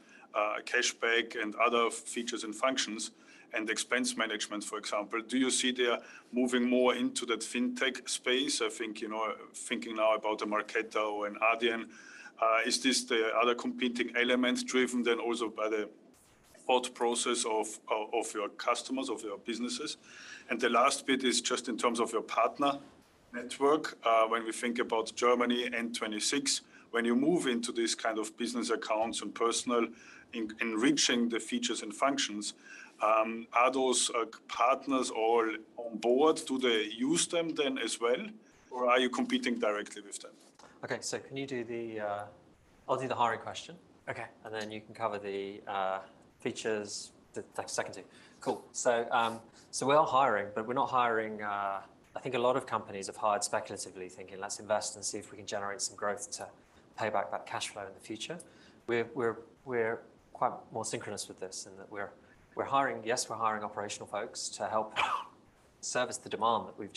cashback and other features and functions and expense management, for example. Do you see they are moving more into that fintech space? I think, you know, thinking now about the Marqeta and Adyen. Is this the other competing elements driven then also by the thought process of your customers, of your businesses? The last bit is just in terms of your partner network. When we think about Germany N26, when you move into this kind of business accounts and personal enriching the features and functions, are those partners all on board? Do they use them then as well? Are you competing directly with them? Okay. I'll do the hiring question. Okay. you can cover the features, the second thing. Cool. we are hiring, but we're not hiring. I think a lot of companies have hired speculatively thinking, "Let's invest and see if we can generate some growth to pay back that cash flow in the future." We're quite more synchronous with this in that we're hiring. Yes, we're hiring operational folks to help service the demand that we've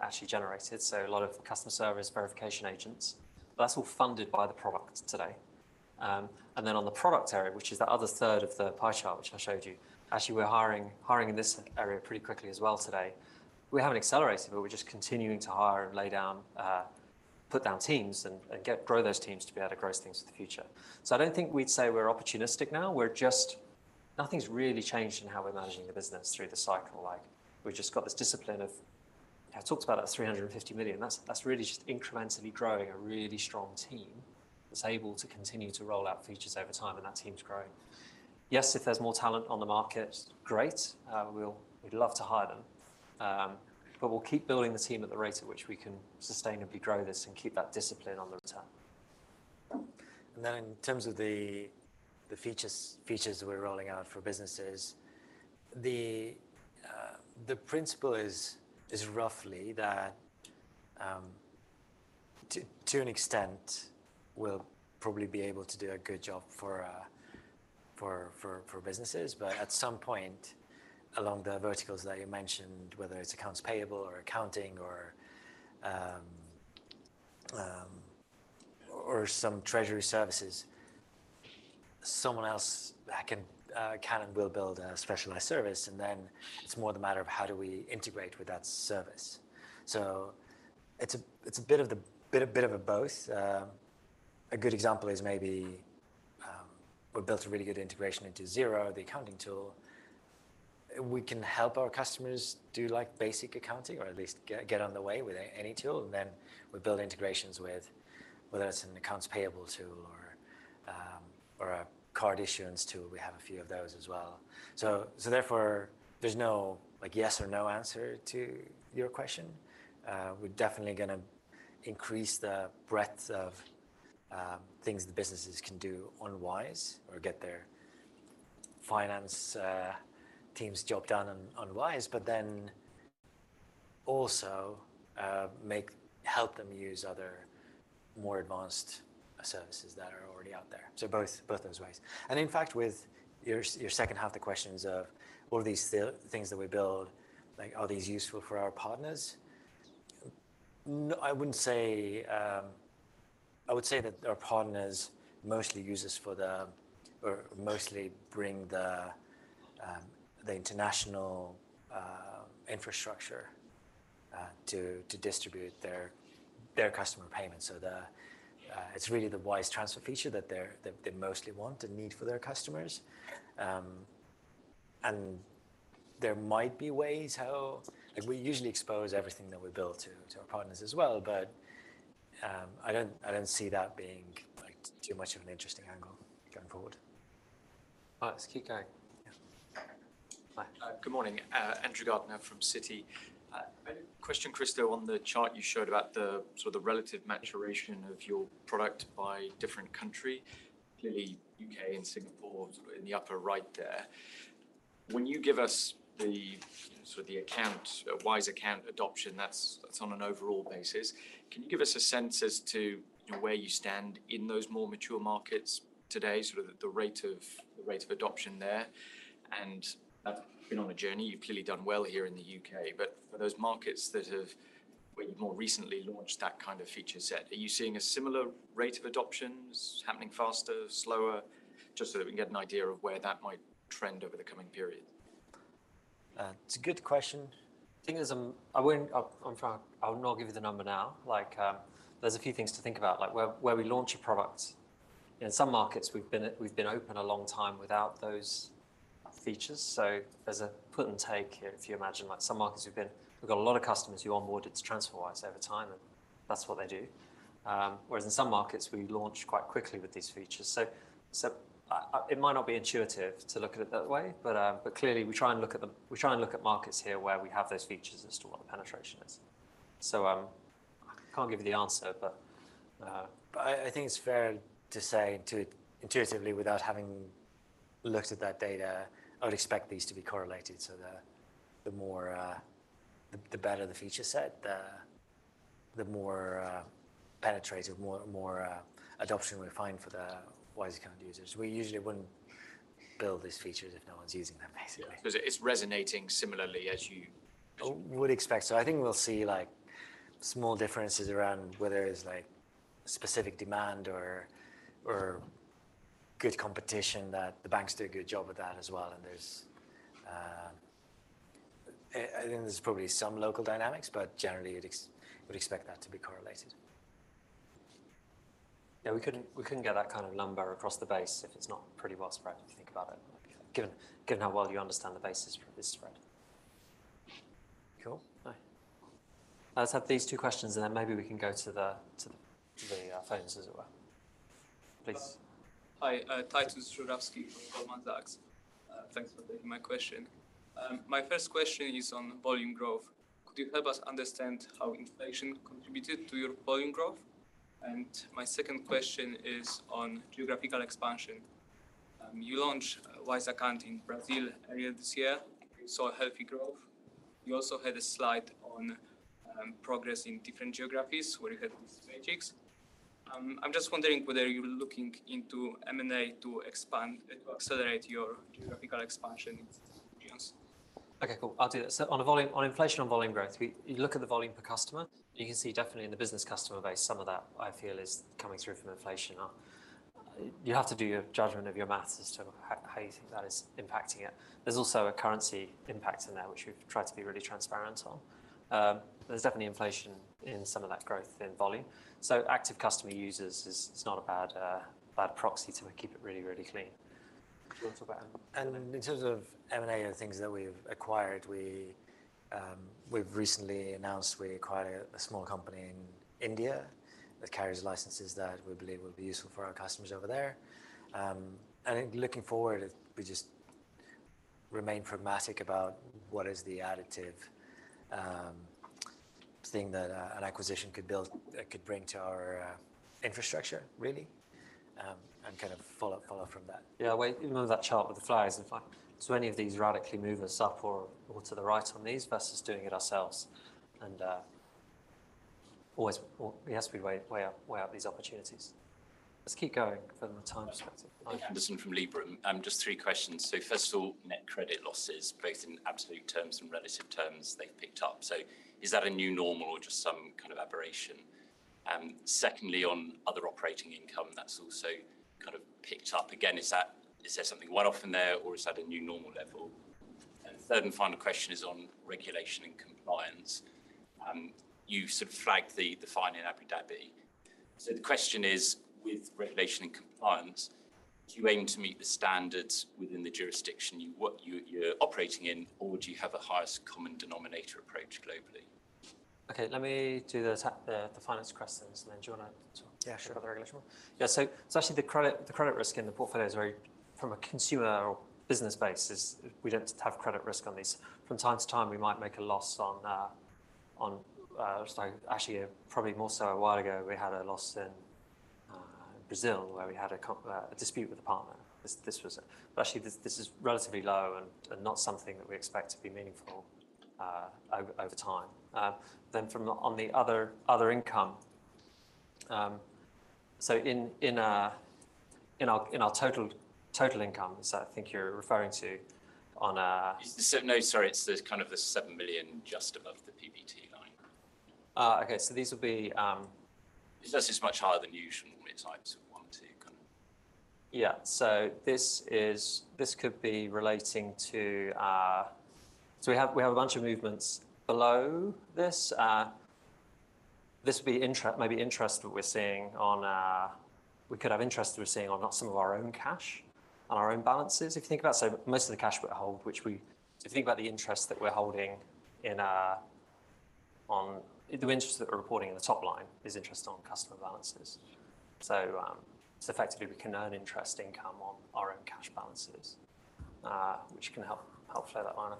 actually generated, so a lot of customer service verification agents. That's all funded by the product today. on the product area, which is the other third of the pie chart, which I showed you, actually, we're hiring in this area pretty quickly as well today. We haven't accelerated, but we're just continuing to hire and lay down, put down teams and, grow those teams to be able to grow things for the future. I don't think we'd say we're opportunistic now. Nothing's really changed in how we're managing the business through the cycle. Like, we've just got this. I talked about that 350 million. That's really just incrementally growing a really strong team that's able to continue to roll out features over time, and that team's growing. Yes, if there's more talent on the market, great. We'd love to hire them. We'll keep building the team at the rate at which we can sustainably grow this and keep that discipline on the return. In terms of the features that we're rolling out for businesses, the principle is roughly that, to an extent, we'll probably be able to do a good job for businesses. At some point along the verticals that you mentioned, whether it's accounts payable or accounting or some treasury services, someone else can and will build a specialized service, and then it's more the matter of how do we integrate with that service. It's a bit of a both. A good example is maybe, we built a really good integration into Xero, the accounting tool. We can help our customers do, like, basic accounting or at least get on the way with any tool, then we build integrations with whether it's an accounts payable tool or a card issuance tool. We have a few of those as well. Therefore, there's no, like, yes or no answer to your question. We're definitely gonna increase the breadth of things the businesses can do on Wise or get their finance team's job done on Wise, then also help them use other more advanced services that are already out there. Both those ways. In fact, with your second half the questions of all these things that we build, like, are these useful for our partners? I wouldn't say. I would say that our partners mostly bring the international infrastructure to distribute their customer payments. It's really the Wise transfer feature that they mostly want and need for their customers. There might be ways how... Like, we usually expose everything that we build to our partners as well, but I don't see that being, like, too much of an interesting angle going forward. All right. Let's keep going. Yeah. Hi. Good morning. Andrew Gardiner from Citi. I had a question, Kristo, on the chart you showed about the sort of relative maturation of your product by different country. Clearly, U.K. and Singapore sort of in the upper right there. When you give us the sort of the account, Wise Account adoption, that's on an overall basis. Can you give us a sense as to where you stand in those more mature markets today, sort of the rate of adoption there? That's been on a journey. You've clearly done well here in the U.K. For those markets that have, where you've more recently launched that kind of feature set, are you seeing a similar rate of adoptions happening faster, slower? Just so that we can get an idea of where that might trend over the coming period. It's a good question. Thing is I will not give you the number now. There's a few things to think about, like where we launch a product. In some markets, we've been open a long time without those features. There's a put and take here. If you imagine like some markets we've got a lot of customers who onboarded to TransferWise over time, and that's what they do. Whereas in some markets, we launch quite quickly with these features. It might not be intuitive to look at it that way, but clearly we try and look at markets here where we have those features as to what the penetration is. I can't give you the answer, but I think it's fair to say intuitively, without having looked at that data, I would expect these to be correlated. The more the better the feature set, the more penetrative, more adoption we find for the Wise Account users. We usually wouldn't build these features if no one's using them, basically. Yeah. It's resonating similarly as you-. Would expect so. I think we'll see like small differences around whether it's like specific demand or good competition that the banks do a good job with that as well. I think there's probably some local dynamics, but generally it would expect that to be correlated. Yeah, we couldn't get that kind of lumber across the base if it's not pretty well spread, if you think about it. Given how well you understand the basis for this spread. Cool. Let's have these two questions, and then maybe we can go to the phones as it were. Please. Hi. Tytus Zurawski from Goldman Sachs. Thanks for taking my question. My first question is on volume growth. Could you help us understand how inflation contributed to your volume growth? My second question is on geographical expansion. You launched Wise Account in Brazil earlier this year. We saw healthy growth. You also had a slide on progress in different geographies where you had these metrics. I'm just wondering whether you're looking into M&A to expand to accelerate your geographical expansion plans. Okay, cool. I'll do that. On inflation, on volume growth, you look at the volume per customer. You can see definitely in the business customer base, some of that I feel is coming through from inflation. You have to do your judgment of your math as to how you think that is impacting it. There's also a currency impact in there, which we've tried to be really transparent on. There's definitely inflation in some of that growth in volume. Active customer users is not a bad proxy to keep it really clean. Do you wanna talk about M&A? In terms of M&A and things that we've acquired, we've recently announced we acquired a small company in India that carries licenses that we believe will be useful for our customers over there. I think looking forward, we just remain pragmatic about what is the additive thing that an acquisition could bring to our infrastructure really, and kind of follow from that. Yeah. Well, you remember that chart with the flags and flag. any of these radically move us up or to the right on these versus doing it ourselves and, or we has to be way up these opportunities. Let's keep going from a time perspective. Nick Anderson from Liberum. Just three questions. First of all, net credit losses, both in absolute terms and relative terms they've picked up. Is that a new normal or just some kind of aberration? Secondly, on other operating income that's also kind of picked up. Again, is there something one-off in there or is that a new normal level? Third and final question is on regulation and compliance. You sort of flagged the fine in Abu Dhabi. The question is, with regulation and compliance, do you aim to meet the standards within the jurisdiction you're operating in, or do you have the highest common denominator approach globally? Okay, let me do the top, the finance questions and then do you wanna talk- Yeah, sure. -about the regulatory one? Yeah. Actually the credit risk in the portfolio is very from a consumer or business base is we don't have credit risk on these. From time to time, we might make a loss on, sorry, actually, probably more so a while ago, we had a dispute with a partner. This was actually this is relatively low and not something that we expect to be meaningful over time. From on the other income, so in our total income, so I think you're referring to on. No, sorry. It's the kind of the 7 million just above the PBT line. okay. these will be, It's just it's much higher than usual, and we just like to want to kind of... Yeah. This could be relating to. We have a bunch of movements below this. This would be maybe interest what we're seeing on. We could have interest we're seeing on not some of our own cash, on our own balances. If you think about most of the cash we hold, which if you think about the interest that we're holding in the interest that we're reporting in the top line is interest on customer balances. Effectively we can earn interest income on our own cash balances, which can help show that line, I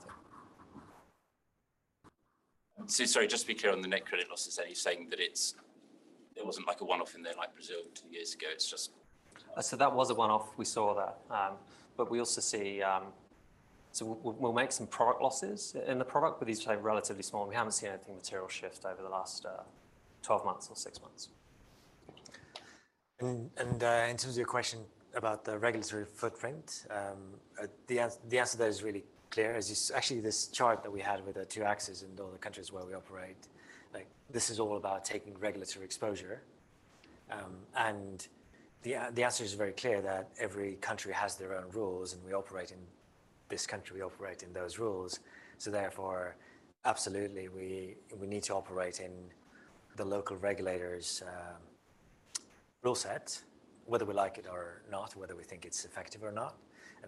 think. Sorry, just to be clear on the net credit losses then, you're saying that it wasn't like a one-off in there like Brazil two years ago? That was a one-off. We saw that. We also see. We'll make some product losses in the product, but these are relatively small and we haven't seen anything material shift over the last 12 months or six months. In terms of your question about the regulatory footprint, the answer to that is really clear. Actually, this chart that we had with the two axes and all the countries where we operate, like this is all about taking regulatory exposure. The answer is very clear that every country has their own rules, and we operate in this country, we operate in those rules. Absolutely, we need to operate in the local regulators'. Rule set, whether we like it or not, whether we think it's effective or not,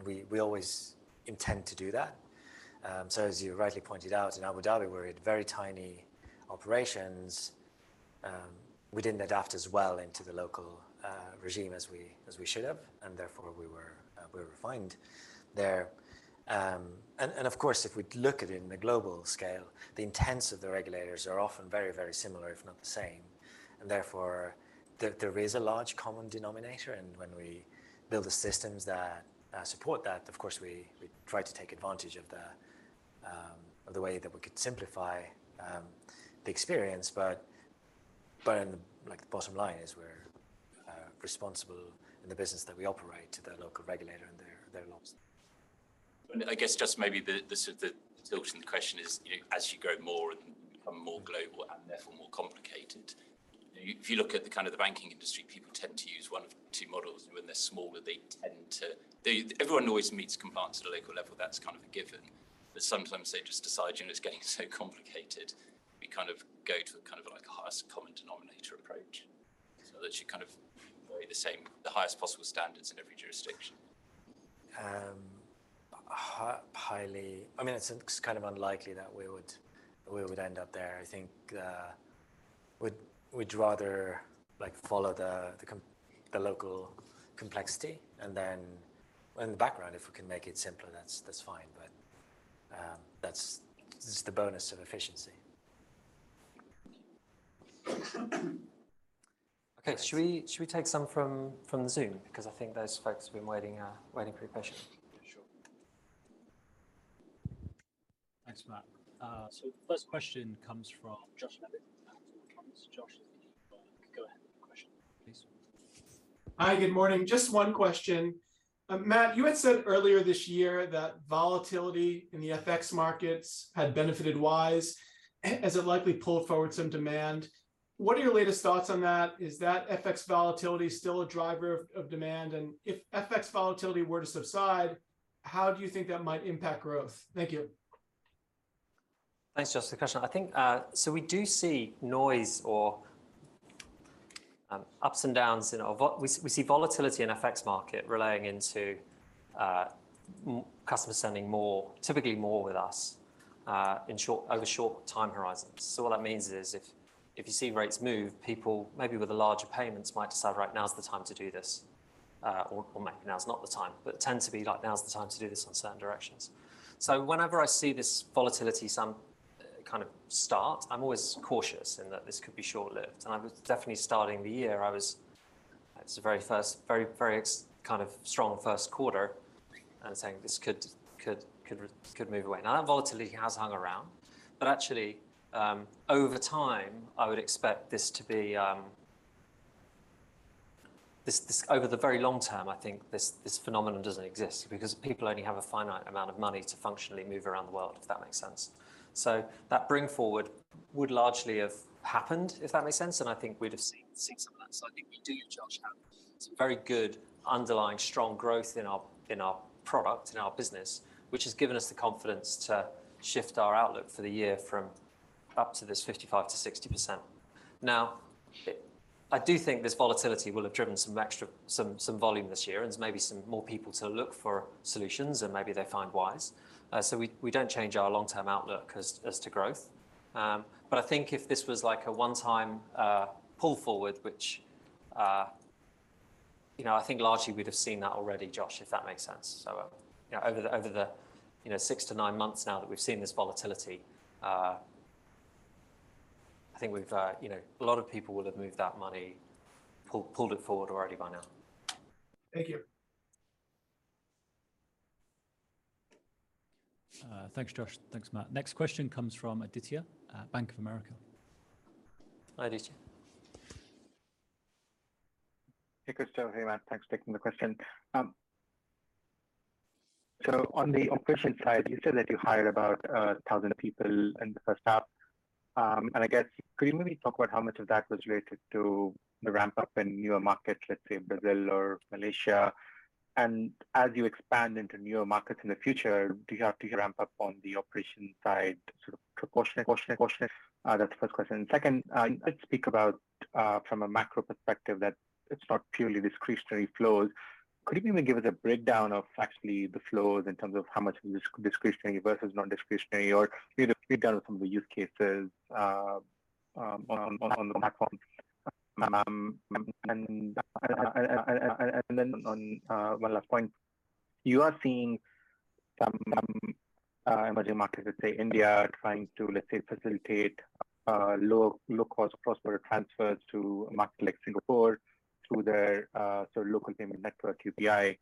we always intend to do that. As you rightly pointed out, in Abu Dhabi, we're a very tiny operations, we didn't adapt as well into the local regime as we should have, and therefore, we were fined there. Of course, if we look at it in the global scale, the intents of the regulators are often very, very similar, if not the same. Therefore, there is a large common denominator, and when we build the systems that support that, of course, we try to take advantage of the way that we could simplify the experience. In, like, the bottom line is we're responsible in the business that we operate to the local regulator and their laws. I guess just maybe the sort of the tilt in the question is, you know, as you grow more and become more global and therefore more complicated, you know, if you look at the kind of the banking industry, people tend to use one of two models. When they're smaller, everyone always meets compliance at a local level. That's kind of a given. Sometimes they just decide, you know, it's getting so complicated, we kind of go to a kind of like highest common denominator approach. That you kind of vary the same, the highest possible standards in every jurisdiction. highly... I mean, it's kind of unlikely that we would, we would end up there. I think, we'd rather, like, follow the local complexity and then in the background, if we can make it simpler, that's fine. That's just the bonus of efficiency. Okay. Should we take some from the Zoom? I think those folks have been waiting for your question. Sure. Thanks, Matt. First question comes from Josh Levin. Josh, go ahead with your question, please. Hi, good morning. Just one question. Matt, you had said earlier this year that volatility in the FX markets had benefited Wise as it likely pulled forward some demand. What are your latest thoughts on that? Is that FX volatility still a driver of demand? If FX volatility were to subside, how do you think that might impact growth? Thank you. Thanks, Josh, for the question. I think, we do see noise or ups and downs. We see volatility in FX market relaying into customers sending more, typically more with us, in short, over short time horizons. What that means is if you see rates move, people maybe with the larger payments might decide, right now is the time to do this, or maybe now is not the time, but tend to be like, now's the time to do this in certain directions. Whenever I see this volatility, some kind of start, I'm always cautious in that this could be short-lived. I was definitely starting the year. It's the very first, very, very kind of strong first quarter and saying this could move away. That volatility has hung around, but actually, over time, I would expect this to be Over the very long term, I think this phenomenon doesn't exist because people only have a finite amount of money to functionally move around the world, if that makes sense. That bring forward would largely have happened, if that makes sense, and I think we'd have seen some of that. I think we do, Josh, have some very good underlying strong growth in our, in our product, in our business, which has given us the confidence to shift our outlook for the year from up to this 55%-60%. I do think this volatility will have driven some extra volume this year, and there's maybe some more people to look for solutions, and maybe they find Wise. We don't change our long-term outlook as to growth. I think if this was like a one-time pull forward, which, you know, I think largely we'd have seen that already, Josh, if that makes sense. You know, over the, you know, six to nine months now that we've seen this volatility, I think we've, you know, a lot of people will have moved that money, pulled it forward already by now. Thank you. Thanks, Josh. Thanks, Matt. Next question comes from Aditya at Bank of America. Hi, Aditya. Hey, Kristo. Hey, Matt. Thanks for taking the question. On the operation side, you said that you hired about 1,000 people in the first half. I guess could you maybe talk about how much of that was related to the ramp-up in newer markets, let's say Brazil or Malaysia? As you expand into newer markets in the future, do you have to ramp up on the operation side sort of proportionate? That's the first question. Second, you did speak about from a macro perspective that it's not purely discretionary flows. Could you maybe give us a breakdown of actually the flows in terms of how much is discretionary versus non-discretionary, or maybe a breakdown of some of the use cases on the platform? Then on one last point, you are seeing some emerging markets, let's say India, trying to, let's say, facilitate low-cost cross-border transfers to a market like Singapore through their sort of local payment network, UPI.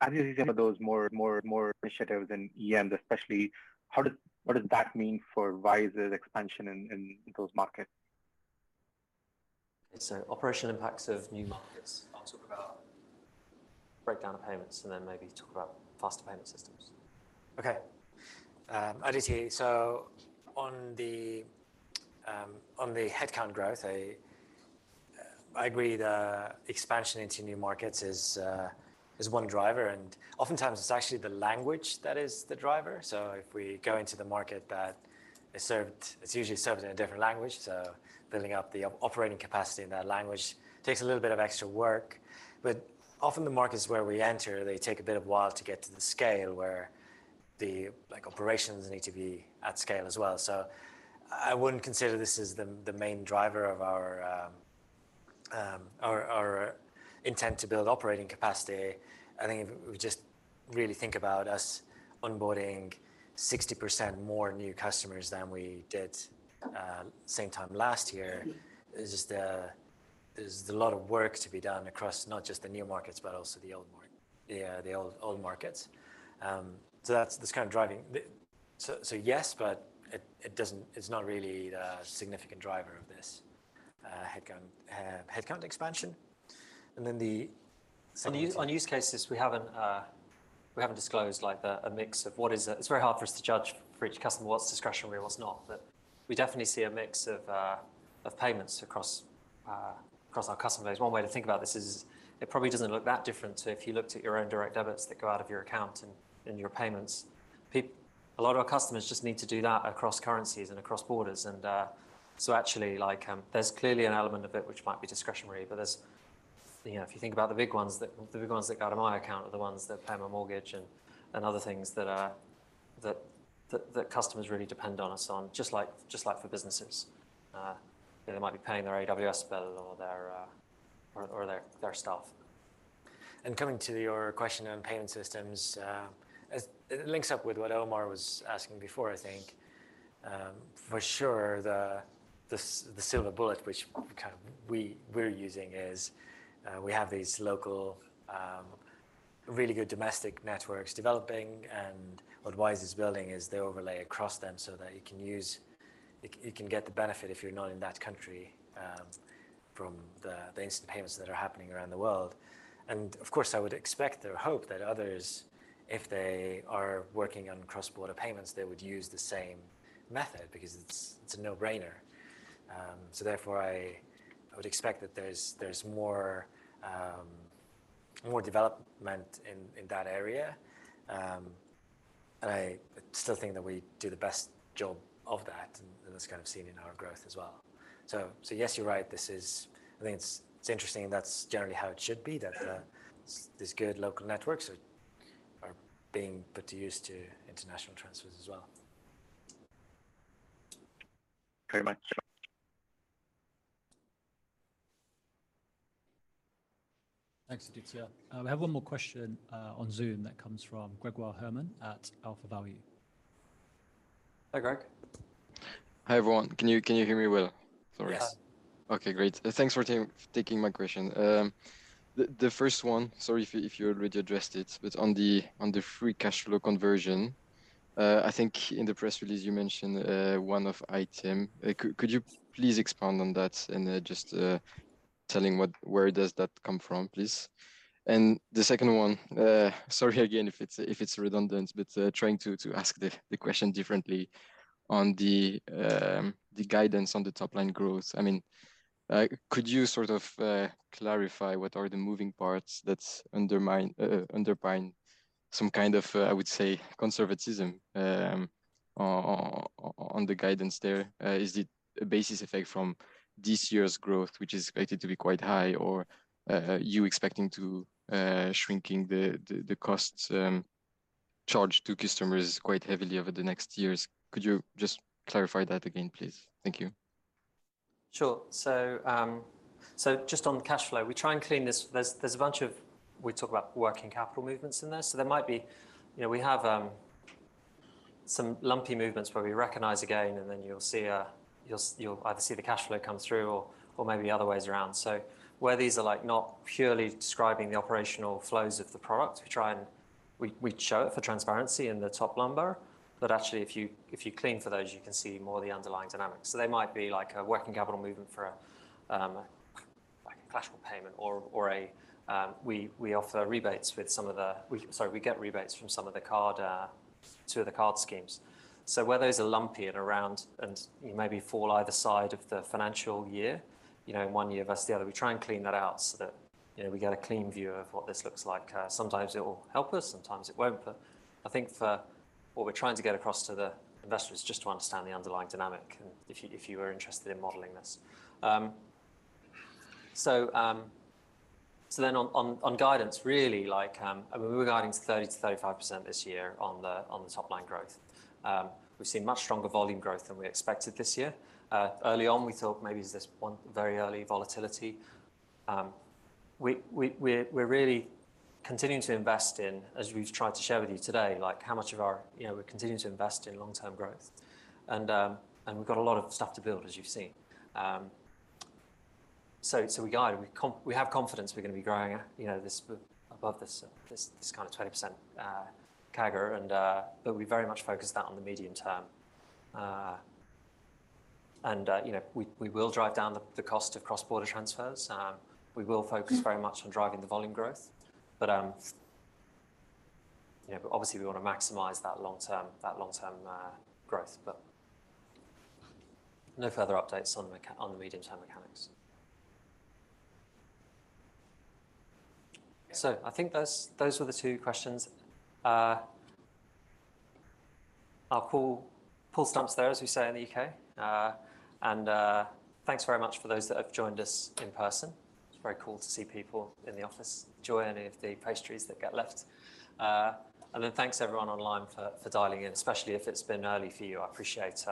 As you see some of those more initiatives in EMs especially, what does that mean for Wise's expansion in those markets? Operation impacts of new markets. I'll talk about breakdown of payments, maybe talk about faster payment systems. Okay. Aditya, on the headcount growth. I agree the expansion into new markets is one driver. Oftentimes it's actually the language that is the driver. If we go into the market that is served, it's usually served in a different language. Building up the operating capacity in that language takes a little bit of extra work. Often the markets where we enter, they take a bit of while to get to the scale where the, like, operations need to be at scale as well. I wouldn't consider this as the main driver of our intent to build operating capacity. I think if we just really think about us onboarding 60% more new customers than we did, same time last year, there's a lot of work to be done across not just the new markets but also the old markets. That's kind of driving the. Yes, but it's not really the significant driver of this headcount expansion. The second- On use cases, we haven't disclosed a mix of what is. It's very hard for us to judge for each customer what's discretionary and what's not. We definitely see a mix of payments across our customer base. One way to think about this is it probably doesn't look that different to if you looked at your own direct debits that go out of your account and your payments. A lot of our customers just need to do that across currencies and across borders. Actually, there's clearly an element of it which might be discretionary. There's, you know, if you think about the big ones that go out of my account are the ones that pay my mortgage and other things that customers really depend on us on, just like for businesses. You know, they might be paying their AWS bill or their staff. Coming to your question on payment systems, it links up with what Omar was asking before, I think. For sure, the silver bullet which kind of we're using is, we have these local, really good domestic networks developing. What Wise is building is the overlay across them so that you can use... You can get the benefit if you're not in that country, from the instant payments that are happening around the world. Of course, I would expect or hope that others, if they are working on cross-border payments, they would use the same method because it's a no-brainer. Therefore, I would expect that there's more, more development in that area. I still think that we do the best job of that, and that's kind of seen in our growth as well. So yes, you're right. I think it's interesting, and that's generally how it should be, that these good local networks are being put to use to international transfers as well. Very much. Thanks, Aditya. We have one more question, on Zoom that comes from Grégoire Hermann at AlphaValue. Hi, Greg. Hi, everyone. Can you hear me well? Sorry. Yeah. Okay, great. Thanks for taking my question. The first one, sorry if you already addressed it, but on the free cash flow conversion, I think in the press release you mentioned a one-off item. Could you please expand on that and just telling where does that come from, please? The second one, sorry again if it's redundant, but trying to ask the question differently on the guidance on the top-line growth. I mean, could you sort of clarify what are the moving parts that underpin some kind of I would say conservatism on the guidance there? Is it a basis effect from this year's growth, which is expected to be quite high, or you expecting to shrinking the costs charged to customers quite heavily over the next years? Could you just clarify that again, please? Thank you. Sure. Just on cash flow, we try and clean this. There's a bunch of... We talk about working capital movements in this. You know, we have some lumpy movements where we recognize a gain, and then you'll either see the cash flow come through or maybe the other way around. Where these are, like, not purely describing the operational flows of the product, we try and we show it for transparency in the top number. Actually, if you, if you clean for those, you can see more of the underlying dynamics. They might be, like, a working capital movement for, like a clash of payment or a... We offer rebates with some of the. Sorry, we get rebates from some of the card, two of the card schemes. Where those are lumpy and around and maybe fall either side of the financial year, you know, in one year versus the other, we try and clean that out so that, you know, we get a clean view of what this looks like. Sometimes it will help us, sometimes it won't. I think for what we're trying to get across to the investors is just to understand the underlying dynamic and if you are interested in modeling this. On guidance, really, like, I mean, we were guiding to 30%-35% this year on the top-line growth. We've seen much stronger volume growth than we expected this year. Early on, we thought maybe there's this one very early volatility. We're really continuing to invest in, as we've tried to share with you today, like you know, we're continuing to invest in long-term growth. We've got a lot of stuff to build, as you've seen. We guide. We have confidence we're going to be growing, you know, this above this kind of 20% CAGR and we very much focus that on the medium term. You know, we will drive down the cost of cross-border transfers. We will focus very much on driving the volume growth. You know, obviously we want to maximize that long-term growth. No further updates on the medium-term mechanics. I think those were the two questions. I'll call... pull stumps there, as we say in the U.K. Thanks very much for those that have joined us in person. It's very cool to see people in the office. Enjoy any of the pastries that get left. Thanks everyone online for dialing in, especially if it's been early for you. I appreciate,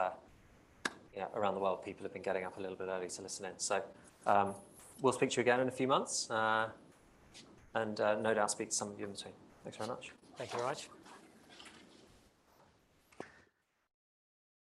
you know, around the world, people have been getting up a little bit early to listen in. We'll speak to you again in a few months. No doubt speak to some of you in between. Thanks very much. Thank you, Raj.